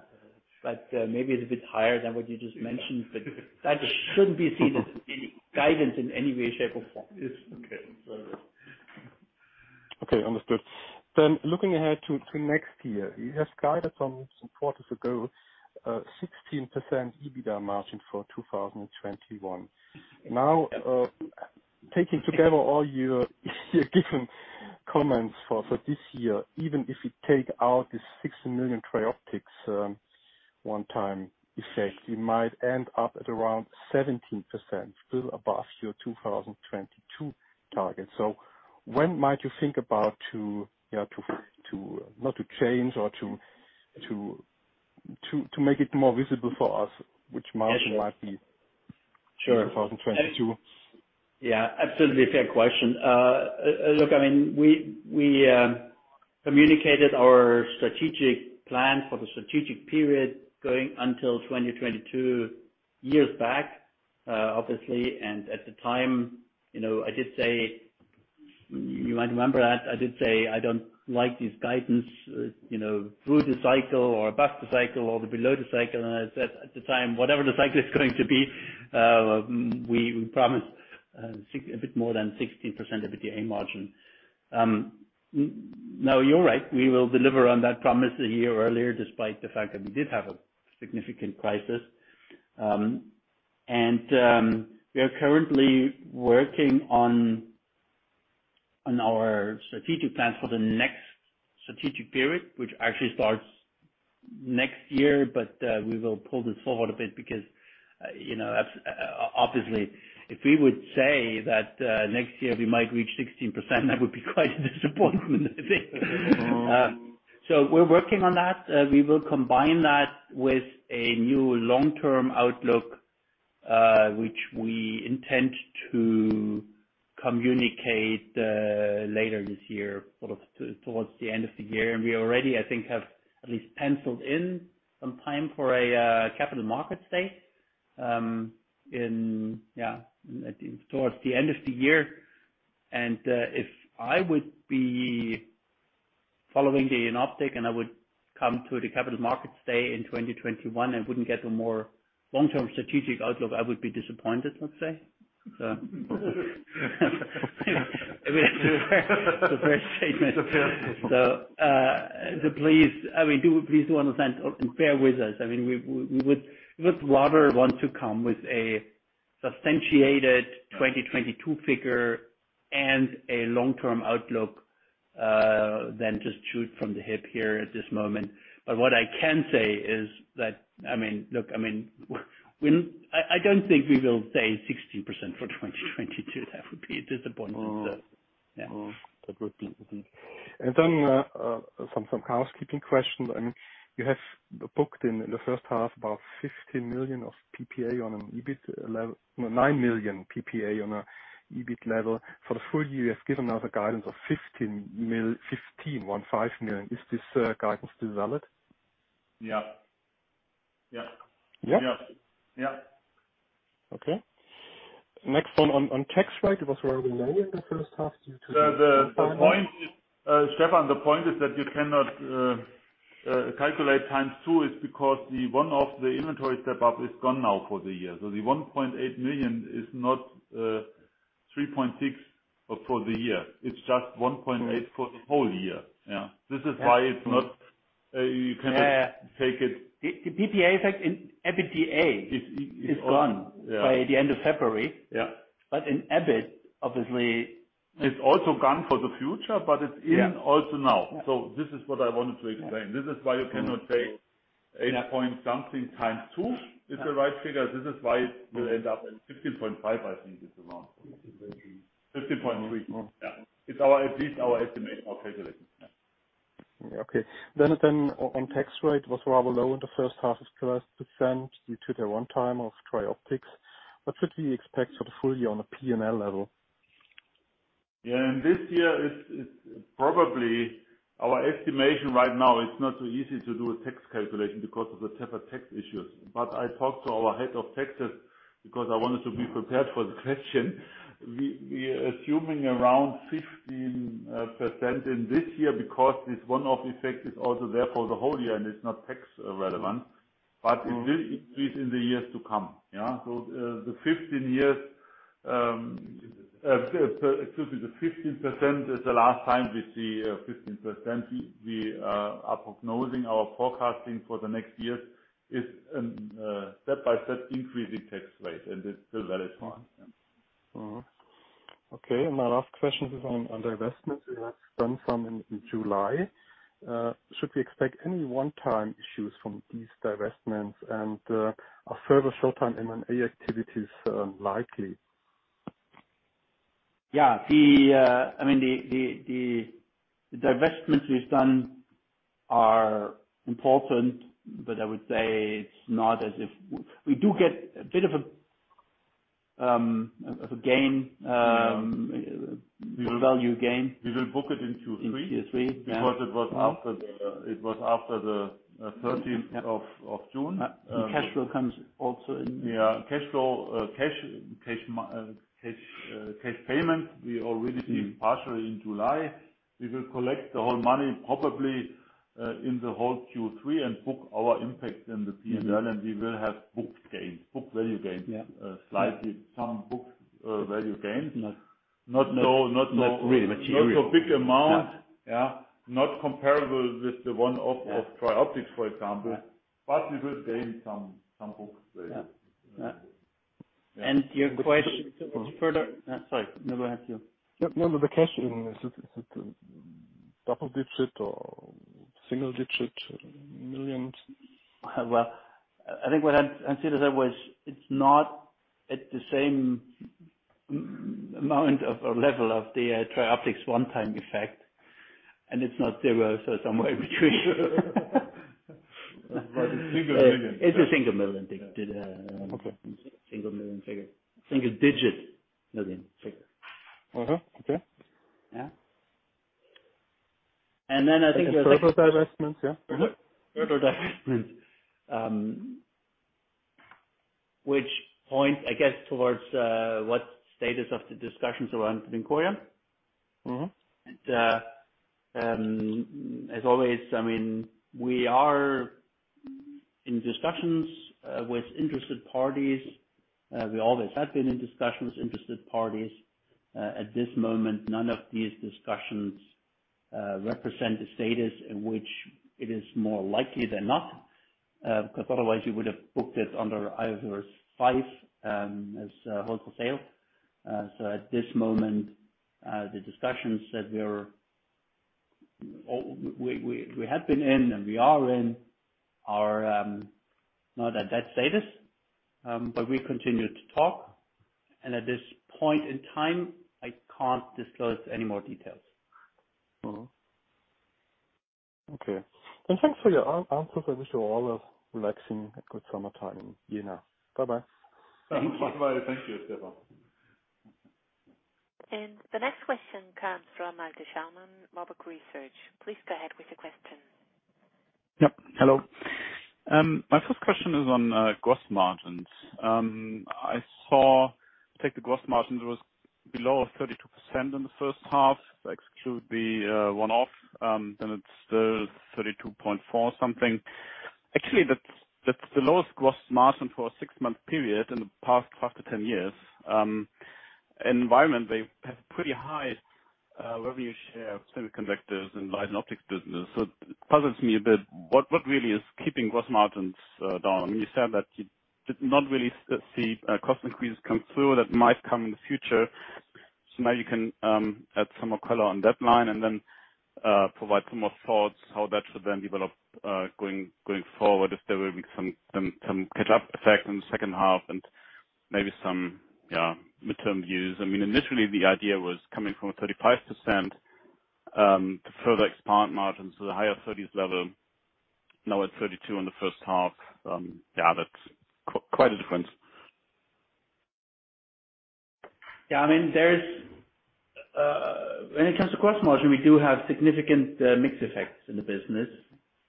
Maybe it's a bit higher than what you just mentioned, but that shouldn't be seen as any guidance in any way, shape, or form. Yes. Okay. Okay. Understood. Looking ahead to next year, you just guided some quarters ago, 16% EBITDA margin for 2021. Taking together all your different comments for this year, even if you take out this 16 million TRIOPTICS one-time effect, you might end up at around 17%, still above your 2022 target. When might you think about to not change or to make it more visible for us, which margin might be? Sure 2022? Yeah. Absolutely fair question. Look, we communicated our strategic plan for the strategic period going until 2022 years back, obviously. At the time, you might remember that I did say, I don't like this guidance through the cycle or above the cycle or below the cycle. I said at the time, whatever the cycle is going to be, we promise a bit more than 16% EBITDA margin. Now you're right, we will deliver on that promise a year earlier, despite the fact that we did have a significant crisis. We are currently working on our strategic plans for the next strategic period, which actually starts next year. We will pull this forward a bit because, obviously, if we would say that next year we might reach 16%, that would be quite a disappointment, I think. We're working on that. We will combine that with a new long-term outlook, which we intend to communicate later this year, sort of towards the end of the year. We already, I think, have at least penciled in some time for a capital markets day towards the end of the year. If I would be following Jenoptik and I would come to the capital markets day in 2021 and wouldn't get a more long-term strategic outlook, I would be disappointed, let's say. A fair statement. Please do understand and bear with us. We would rather want to come with a substantiated 2022 figure and a long-term outlook, than just shoot from the hip here at this moment. What I can say is that, I don't think we will say 16% for 2022. That would be a disappointment. Mm-hmm. That would be indeed. Some housekeeping questions. You have booked in the first half about 15 million of PPA on an EBIT level. No, 9 million PPA on an EBIT level. For the full year, you have given us a guidance of 15 million. Is this guidance still valid? Yeah. Yeah? Yeah. Okay. Next one on tax rate, it was around 9% in the first half. Stefan, the point is that you cannot calculate times two is because one of the inventory step-up is gone now for the year. The 1.8 million is not 3.6 for the year. It's just 1.8 for the whole year. Yeah. This is why you cannot take it. The PPA effect in EBITDA is gone by the end of February. Yeah. In EBIT. It's also gone for the future, but it's in also now. Yeah. This is what I wanted to explain. This is why you cannot say 8 point something times two is the right figure. This is why it will end up in 15.5 million, I think is the amount. 15.3 million. Yeah. It is at least our estimate or calculation. Okay. On tax rate was rather low in the first half of 2% due to the one time of TRIOPTICS. What should we expect for the full year on a P&L level? Yeah. This year is probably our estimation right now, it's not so easy to do a tax calculation because of the separate tax issues. I talked to our head of taxes because I wanted to be prepared for the question. We are assuming around 15% in this year because this one-off effect is also there for the whole year, and it's not tax relevant, but it will increase in the years to come. The 15% is the last time we see 15%. We are prognosing our forecasting for the next years is step-by-step increasing tax rate, and it's still valid one. Okay, my last question is on divestments. You have done some in July. Should we expect any one-time issues from these divestments? Are further short-term M&A activities likely? Yeah. The divestments we've done are important, but I would say it's not as if we do get a bit of a gain, value gain. We will book it in Q3. In Q3, yeah. Because it was after the 13th of June. Cash flow comes also. Yeah. Cash payment, we already see partially in July. We will collect the whole money probably in the whole Q3 and book our impact in the P&L, and we will have booked gains, book value gains. Yeah. Slightly some booked value gains. Not really material. Not so big amount. Yeah. Not comparable with the one of TRIOPTICS, for example. Right. We will gain some booked value. Yeah. Your question. No, go ahead, Stef. No, the question, is it double digit or single digit millions? Well, I think what I'd consider that was, it's not at the same amount of, or level of the TRIOPTICS one time effect, and it's not zero, so somewhere in between. Like a EUR 1 million. It's EUR 1 million, I think. Okay. Single million figure. Single digit million figure. Mm-hmm. Okay. Yeah. Further divestments, yeah. Further divestments. Which point, I guess, towards what status of the discussions around VINCORION? As always, we are in discussions with interested parties. We always have been in discussions, interested parties. At this moment, none of these discussions represent a status in which it is more likely than not, because otherwise we would have booked it under IFRS 5, as hold for sale. At this moment, the discussions that we had been in and we are in are not at that status. We continue to talk, and at this point in time, I can't disclose any more details. Okay. Thanks for your answers. I wish you all a relaxing, good summertime. You know. Bye-bye. Thank you. Bye. Thank you, Stefan. The next question comes from Malte Schaumann, Warburg Research. Please go ahead with the question. Yep. Hello. My first question is on gross margins. The gross margin was below 32% in the first half. Exclude the one-off, it's still 32.4% something. Actually, that's the lowest gross margin for a six-month period in the past 5-10 years. Environment, they have pretty high revenue share of semiconductors and lighting optics business. It puzzles me a bit, what really is keeping gross margins down? You said that you did not really see cost increases come through. That might come in the future. Maybe you can add some more color on that line and then provide some more thoughts how that should then develop going forward, if there will be some catch up effect in the second half and maybe some midterm views. Initially the idea was coming from a 35% to further expand margins to the higher 30s level. Now at 32% in the first half, yeah, that's quite a difference. When it comes to gross margin, we do have significant mix effects in the business.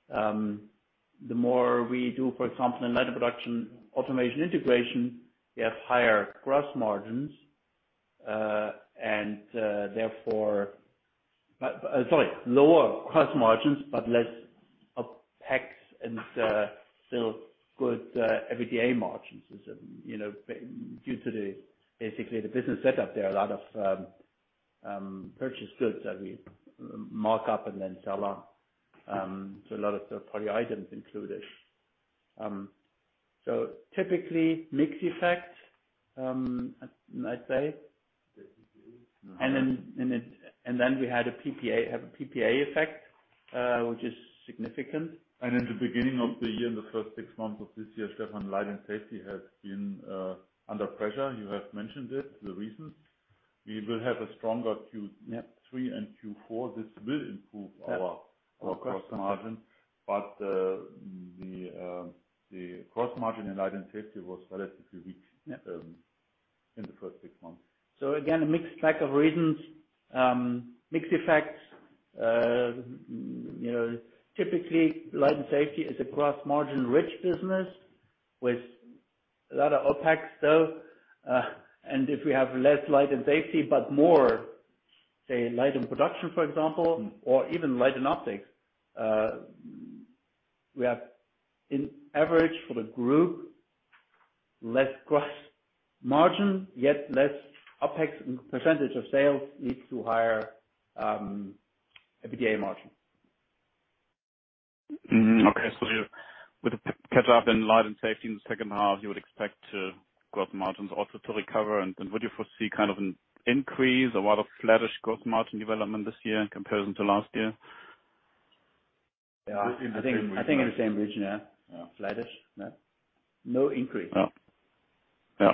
The more we do, for example, in Light & Production, automation integration, we have higher gross margins, and therefore, sorry, lower cost margins, but less OpEx and still good EBITDA margins. Due to the, basically the business set up there, a lot of purchased goods that we mark up and then sell on. A lot of the third-party items included. Typically mix effect, I'd say. We have a PPA effect, which is significant. In the beginning of the year, in the first six months of this year, Stefan, Light & Safety has been under pressure. You have mentioned it, the reasons. We will have a stronger Q3 and Q4. This will improve our gross margin. The gross margin in Light & Safety was relatively weak in the first six months. Again, a mixed bag of reasons. Mixed effects. Typically, Light & Safety is a gross margin rich business with a lot of OpEx. If we have less Light & Safety, but more, say, Light & Production, for example, or even Light & Optics. We have in average for the group, less gross margin, yet less OpEx percentage of sales leads to higher EBITDA margin. With the catch up in Light & Safety in the second half, you would expect gross margins also to recover. Would you foresee an increase or a lot of flattish gross margin development this year in comparison to last year? Yeah. I think in the same region. I think in the same region, yeah. Flattish. No increase. Yeah.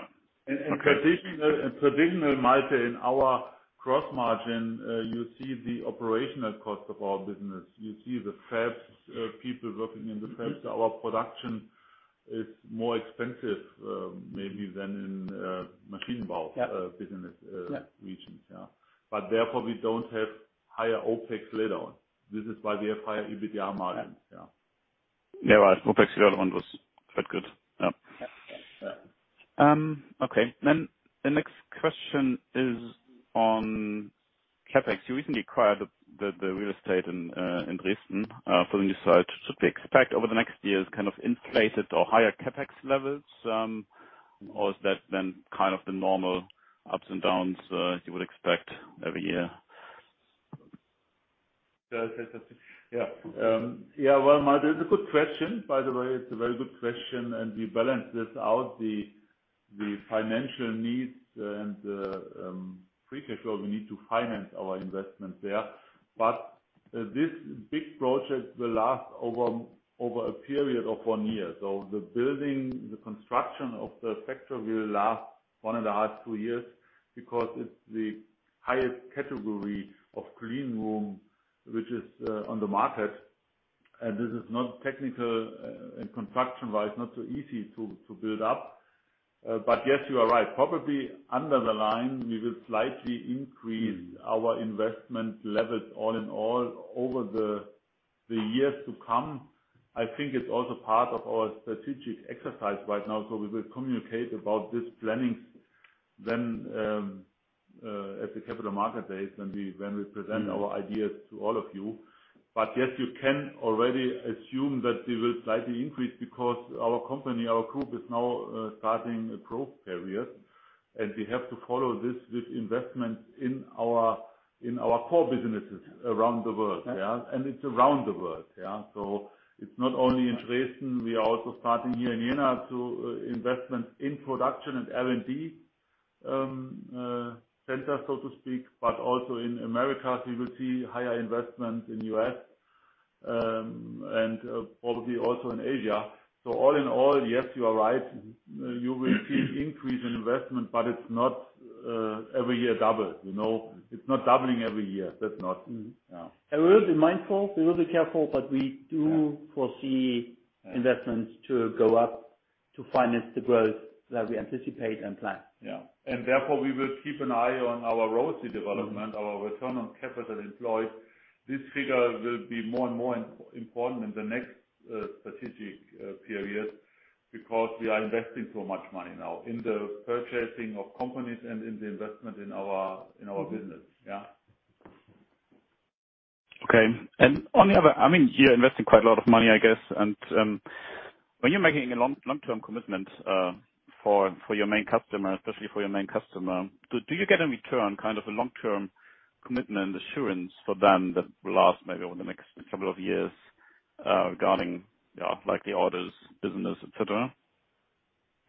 Traditional, Malte, in our gross margin, you see the operational cost of our business. You see the fabs, people working in the fabs. Our production is more expensive maybe than in machine build business regions. Therefore we don't have higher OpEx later on. This is why we have higher EBITDA margins. Yeah. OpEx later on was quite good. Yeah. Yeah. Okay. The next question is on CapEx. You recently acquired the real estate in Dresden for the new site. Should we expect over the next years inflated or higher CapEx levels? Is that the normal ups and downs as you would expect every year? Yeah. Well, Malte, it's a good question, by the way. It's a very good question. We balance this out the financial needs and the free cash flow we need to finance our investment there. This big project will last over a period of one year. The building, the construction of the factory will last 1.5, two years because it's the highest category of cleanroom which is on the market. This is not technical and construction-wise, not so easy to build up. Yes, you are right. Probably under the line, we will slightly increase our investment levels all in all over the years to come. I think it's also part of our strategic exercise right now. We will communicate about this planning then at the Capital Markets Day, when we present our ideas to all of you. Yes, you can already assume that we will slightly increase because our company, our group is now starting a growth period, and we have to follow this with investment in our core businesses around the world. It's around the world. It's not only in Dresden. We are also starting here in Jena to investments in production and R&D centers, so to speak, but also in Americas. We will see higher investments in U.S. and probably also in Asia. All in all, yes, you are right. You will see an increase in investment, but it's not every year double. It's not doubling every year. We will be mindful, we will be careful, but we do foresee investments to go up to finance the growth that we anticipate and plan. Yeah. Therefore, we will keep an eye on our ROCE development, our return on capital employed. This figure will be more and more important in the next strategic period because we are investing so much money now in the purchasing of companies and in the investment in our business. Okay. On the other-- You're investing quite a lot of money, I guess. When you're making a long-term commitment for your main customer, especially for your main customer, do you get a return, a long-term commitment assurance for them that will last maybe over the next couple of years, regarding the orders, business, et cetera?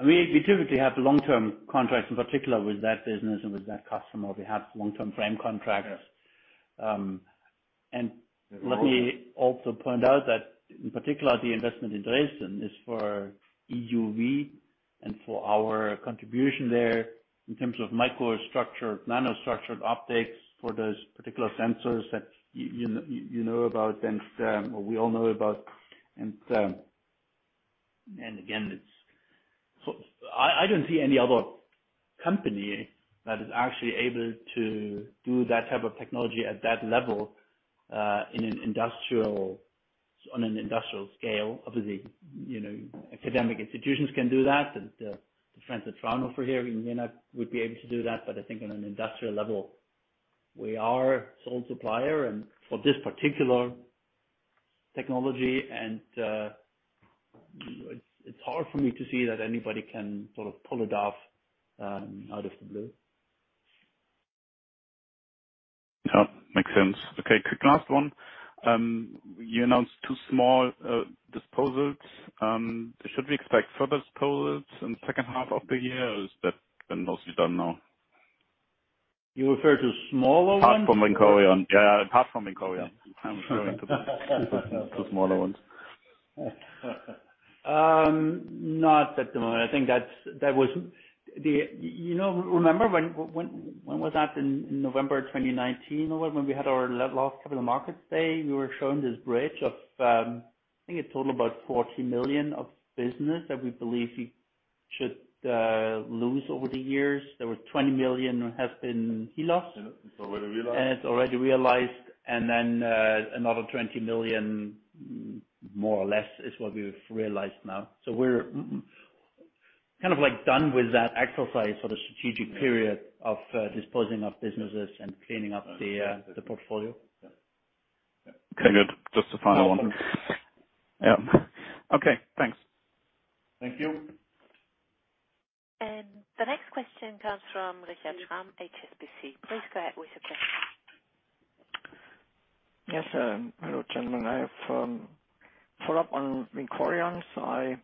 We typically have long-term contracts, in particular with that business and with that customer. We have long-term frame contracts. Let me also point out that in particular, the investment in Dresden is for EUV and for our contribution there in terms of micro-optics, nanostructured optics for those particular sensors that you know about, and we all know about. Again, I don't see any other company that is actually able to do that type of technology at that level on an industrial scale. Obviously, academic institutions can do that. The friends at Fraunhofer here in Jena would be able to do that. I think on an industrial level, we are sole supplier for this particular technology. It's hard for me to see that anybody can pull it off out of the blue. Yeah. Makes sense. Okay, quick last one. You announced two small disposals. Should we expect further disposals in the second half of the year or is that mostly done now? You refer to smaller ones? Apart from VINCORION. Yeah. Apart from VINCORION. I'm referring to the smaller ones. Not at the moment. Remember when was that? In November 2019 or when we had our last capital markets day, we were shown this bridge of, I think a total about 40 million of business that we believe we should lose over the years. There was 20 million has been lost. It's already realized. It's already realized. Then another 20 million, more or less, is what we've realized now. We're kind of done with that exercise for the strategic period of disposing of businesses and cleaning up the portfolio. Yeah. Okay, good. Just the final one. Yep. Okay, thanks. Thank you. The next question comes from Richard Schramm, HSBC. Please go ahead, Richard. Yes. Hello, gentlemen. I have follow-up on VINCORION. I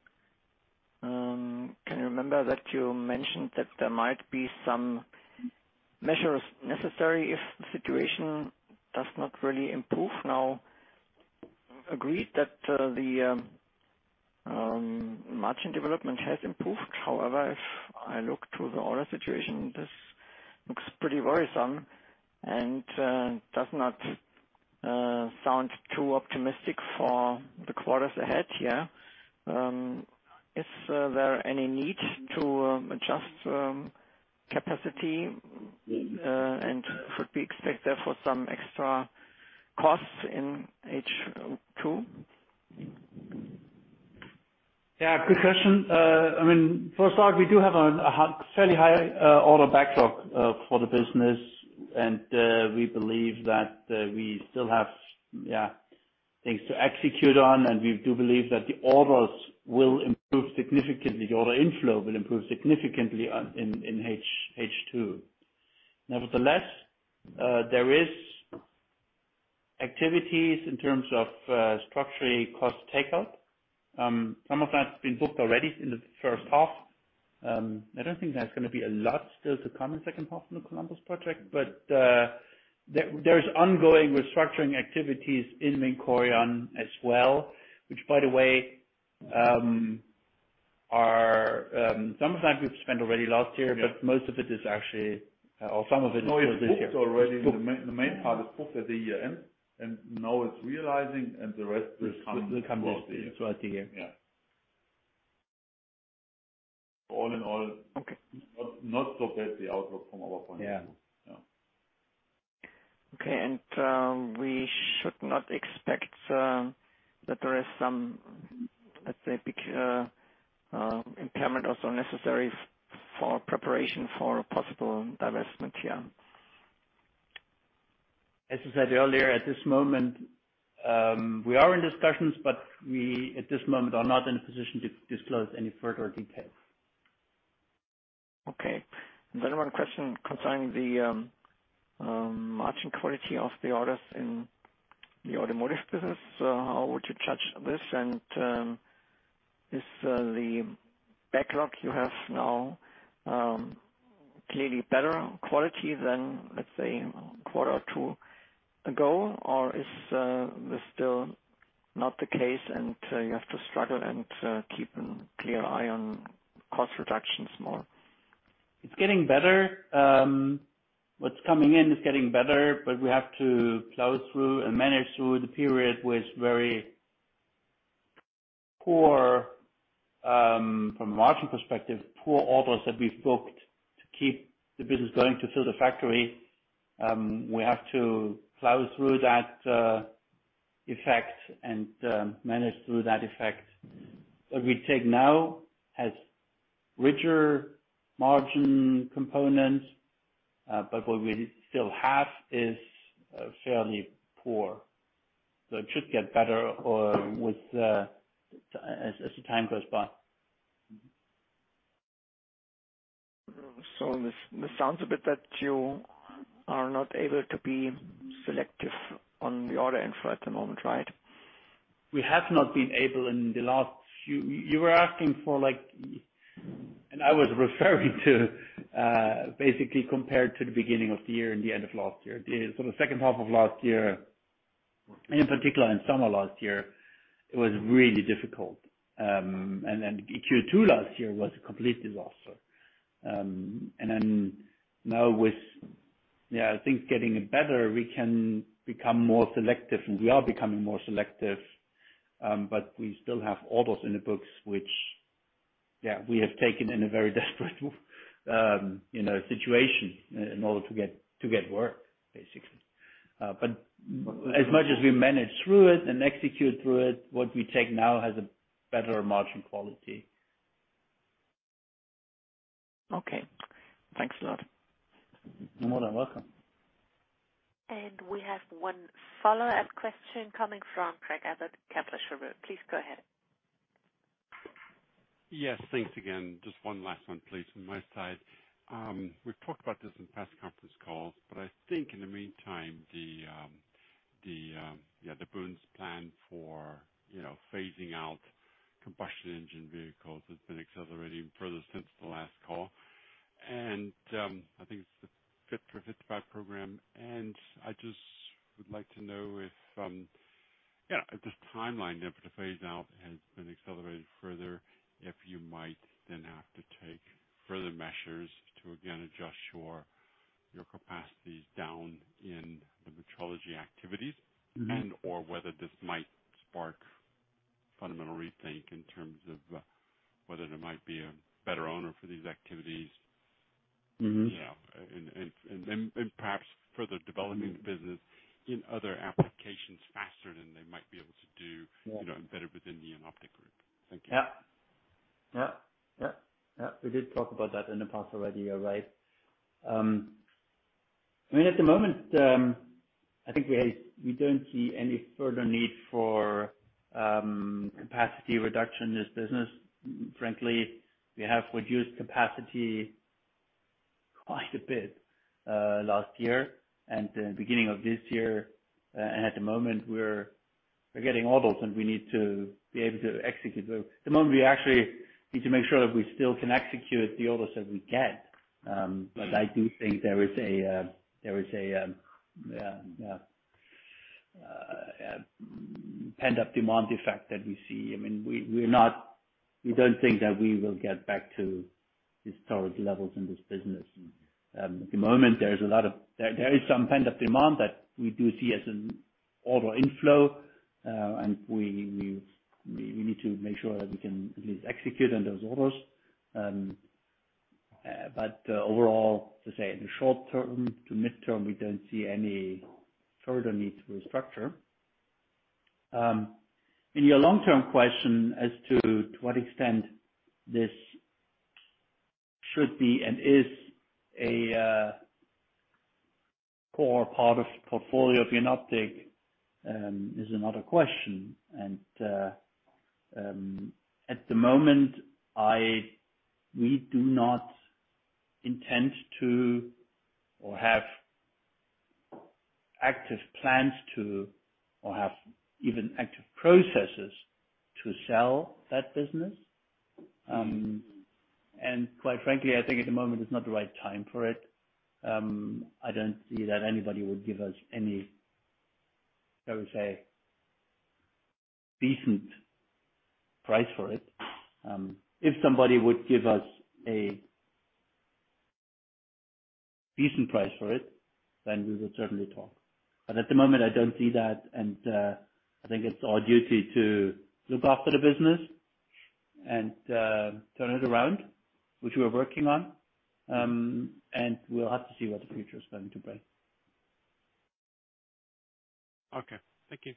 can remember that you mentioned that there might be some measures necessary if the situation does not really improve. Now, agreed that the margin development has improved. However, if I look to the order situation, this looks pretty worrisome and does not sound too optimistic for the quarters ahead here. Is there any need to adjust capacity? Should we expect there for some extra costs in H2? Yeah, good question. First off, we do have a fairly high order backlog for the business. We believe that we still have things to execute on, and we do believe that the orders will improve significantly. Order inflow will improve significantly in H2. Nevertheless, there is activities in terms of structurally cost takeout. Some of that's been booked already in the first half. I don't think there's going to be a lot still to come in the second half from the Columbus project. There is ongoing restructuring activities in VINCORION as well, which by the way, some of the time we've spent already last year, but most of it is actually, or some of it is for this year. No, it's booked already. The main part is booked at the year-end, and now it's realizing, and the rest will come- Will come this year. ...throughout the year. Yeah. All in all- Okay ...not so bad the outlook from our point of view. Yeah. Yeah. Okay. We should not expect that there is some, let's say, big impairment also necessary for preparation for a possible divestment here? As I said earlier, at this moment, we are in discussions, but we, at this moment, are not in a position to disclose any further details. Okay. One question concerning the margin quality of the orders in the automotive business. How would you judge this? Is the backlog you have now clearly better quality than, let's say, a quarter or two ago? Is this still not the case and you have to struggle and keep a clear eye on cost reductions more? It's getting better. What's coming in is getting better, but we have to plow through and manage through the period with very poor, from a margin perspective, poor orders that we've booked to keep the business going to fill the factory. We have to plow through that effect and manage through that effect. What we take now has richer margin components, but what we still have is fairly poor. It should get better as the time goes by. This sounds a bit that you are not able to be selective on the order info at the moment, right? We have not been able. You were asking for, I was referring to compared to the beginning of the year and the end of last year. The second half of last year, in particular in summer last year, it was really difficult. Q2 last year was a complete disaster. Now with things getting better, we can become more selective, and we are becoming more selective. We still have orders in the books which we have taken in a very desperate situation in order to get work. As much as we manage through it and execute through it, what we take now has a better margin quality. Okay. Thanks a lot. More than welcome. We have one follow-up question coming from Craig Abbott, Kepler Cheuvreux. Please go ahead. Yes. Thanks again. Just one last one, please, from my side. We've talked about this in past conference calls, but I think in the meantime, the EU's plan for phasing out combustion engine vehicles has been accelerating further since the last call. I think it's the Fit for 55 program, and I just would like to know if this timeline then for the phase-out has been accelerated further, if you might then have to take further measures to, again, adjust your capacities down in the metrology activities? Whether this might spark a fundamental rethink in terms of whether there might be a better owner for these activities. Yeah. Perhaps further developing the business in other applications faster than they might be able to do- Yeah ...embedded within the Jenoptik Group. Thank you. Yeah. We did talk about that in the past already, right? I mean, at the moment, I think we don't see any further need for capacity reduction in this business. Frankly, we have reduced capacity quite a bit, last year and the beginning of this year. At the moment we're getting orders, and we need to be able to execute. At the moment, we actually need to make sure that we still can execute the orders that we get. I do think there is a pent-up demand effect that we see. We don't think that we will get back to historic levels in this business. At the moment, there is some pent-up demand that we do see as an order inflow, and we need to make sure that we can at least execute on those orders. Overall, to say in the short term to midterm, we don't see any further need to restructure. In your long-term question as to what extent this should be and is a core part of portfolio of Jenoptik, is another question. At the moment, we do not intend to, or have active plans to, or have even active processes to sell that business. Quite frankly, I think at the moment it's not the right time for it. I don't see that anybody would give us any, I would say, decent price for it. If somebody would give us a decent price for it, then we will certainly talk. At the moment, I don't see that, and I think it's our duty to look after the business and turn it around, which we are working on. We'll have to see what the future's going to bring. Okay. Thank you.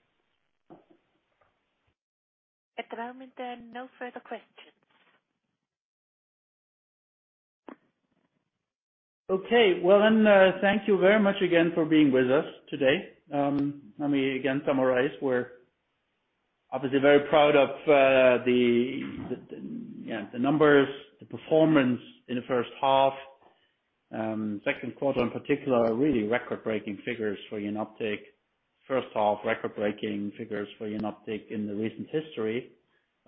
At the moment, there are no further questions. Well, then, thank you very much again for being with us today. Let me again summarize. We're obviously very proud of the numbers, the performance in the first half. Second quarter in particular, really record-breaking figures for Jenoptik. First half, record-breaking figures for Jenoptik in the recent history.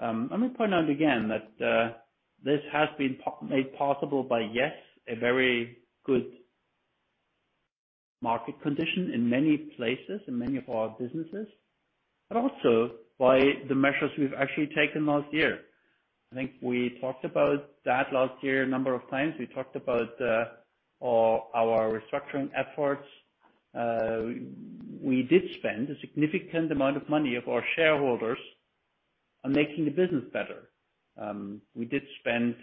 Let me point out again that this has been made possible by, yes, a very good market condition in many places, in many of our businesses, but also by the measures we've actually taken last year. I think we talked about that last year a number of times. We talked about our restructuring efforts. We did spend a significant amount of money of our shareholders on making the business better. We did spend,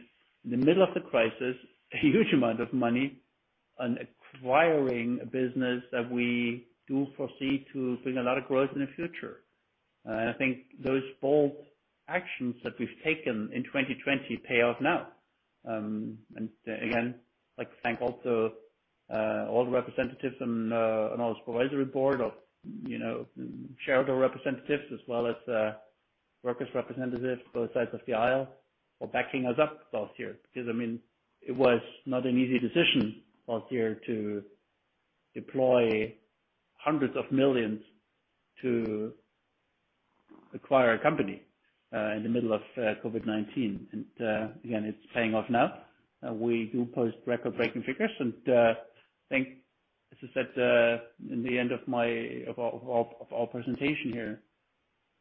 in the middle of the crisis, a huge amount of money on acquiring a business that we do foresee to bring a lot of growth in the future. I think those bold actions that we've taken in 2020 pay off now. Again, I'd like to thank also all the representatives on our supervisory board of shareholder representatives, as well as workers' representatives, both sides of the aisle, for backing us up last year. It was not an easy decision last year to deploy hundreds of millions to acquire a company in the middle of COVID-19. Again, it's paying off now. We do post record-breaking figures, and I think as I said in the end of our presentation here,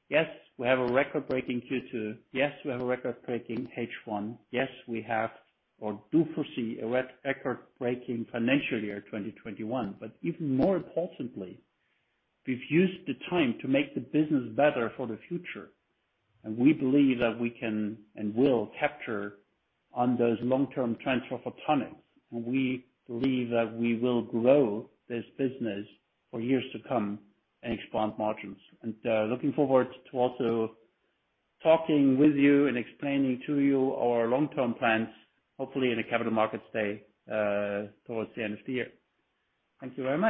yes, we have a record-breaking Q2. Yes, we have a record-breaking H1. Yes, we have or do foresee a record-breaking financial year 2021. Even more importantly, we've used the time to make the business better for the future. We believe that we can, and will, capture on those long-term trends for photonics. We believe that we will grow this business for years to come and expand margins. Looking forward to also talking with you and explaining to you our long-term plans, hopefully in a capital markets day towards the end of the year. Thank you very much.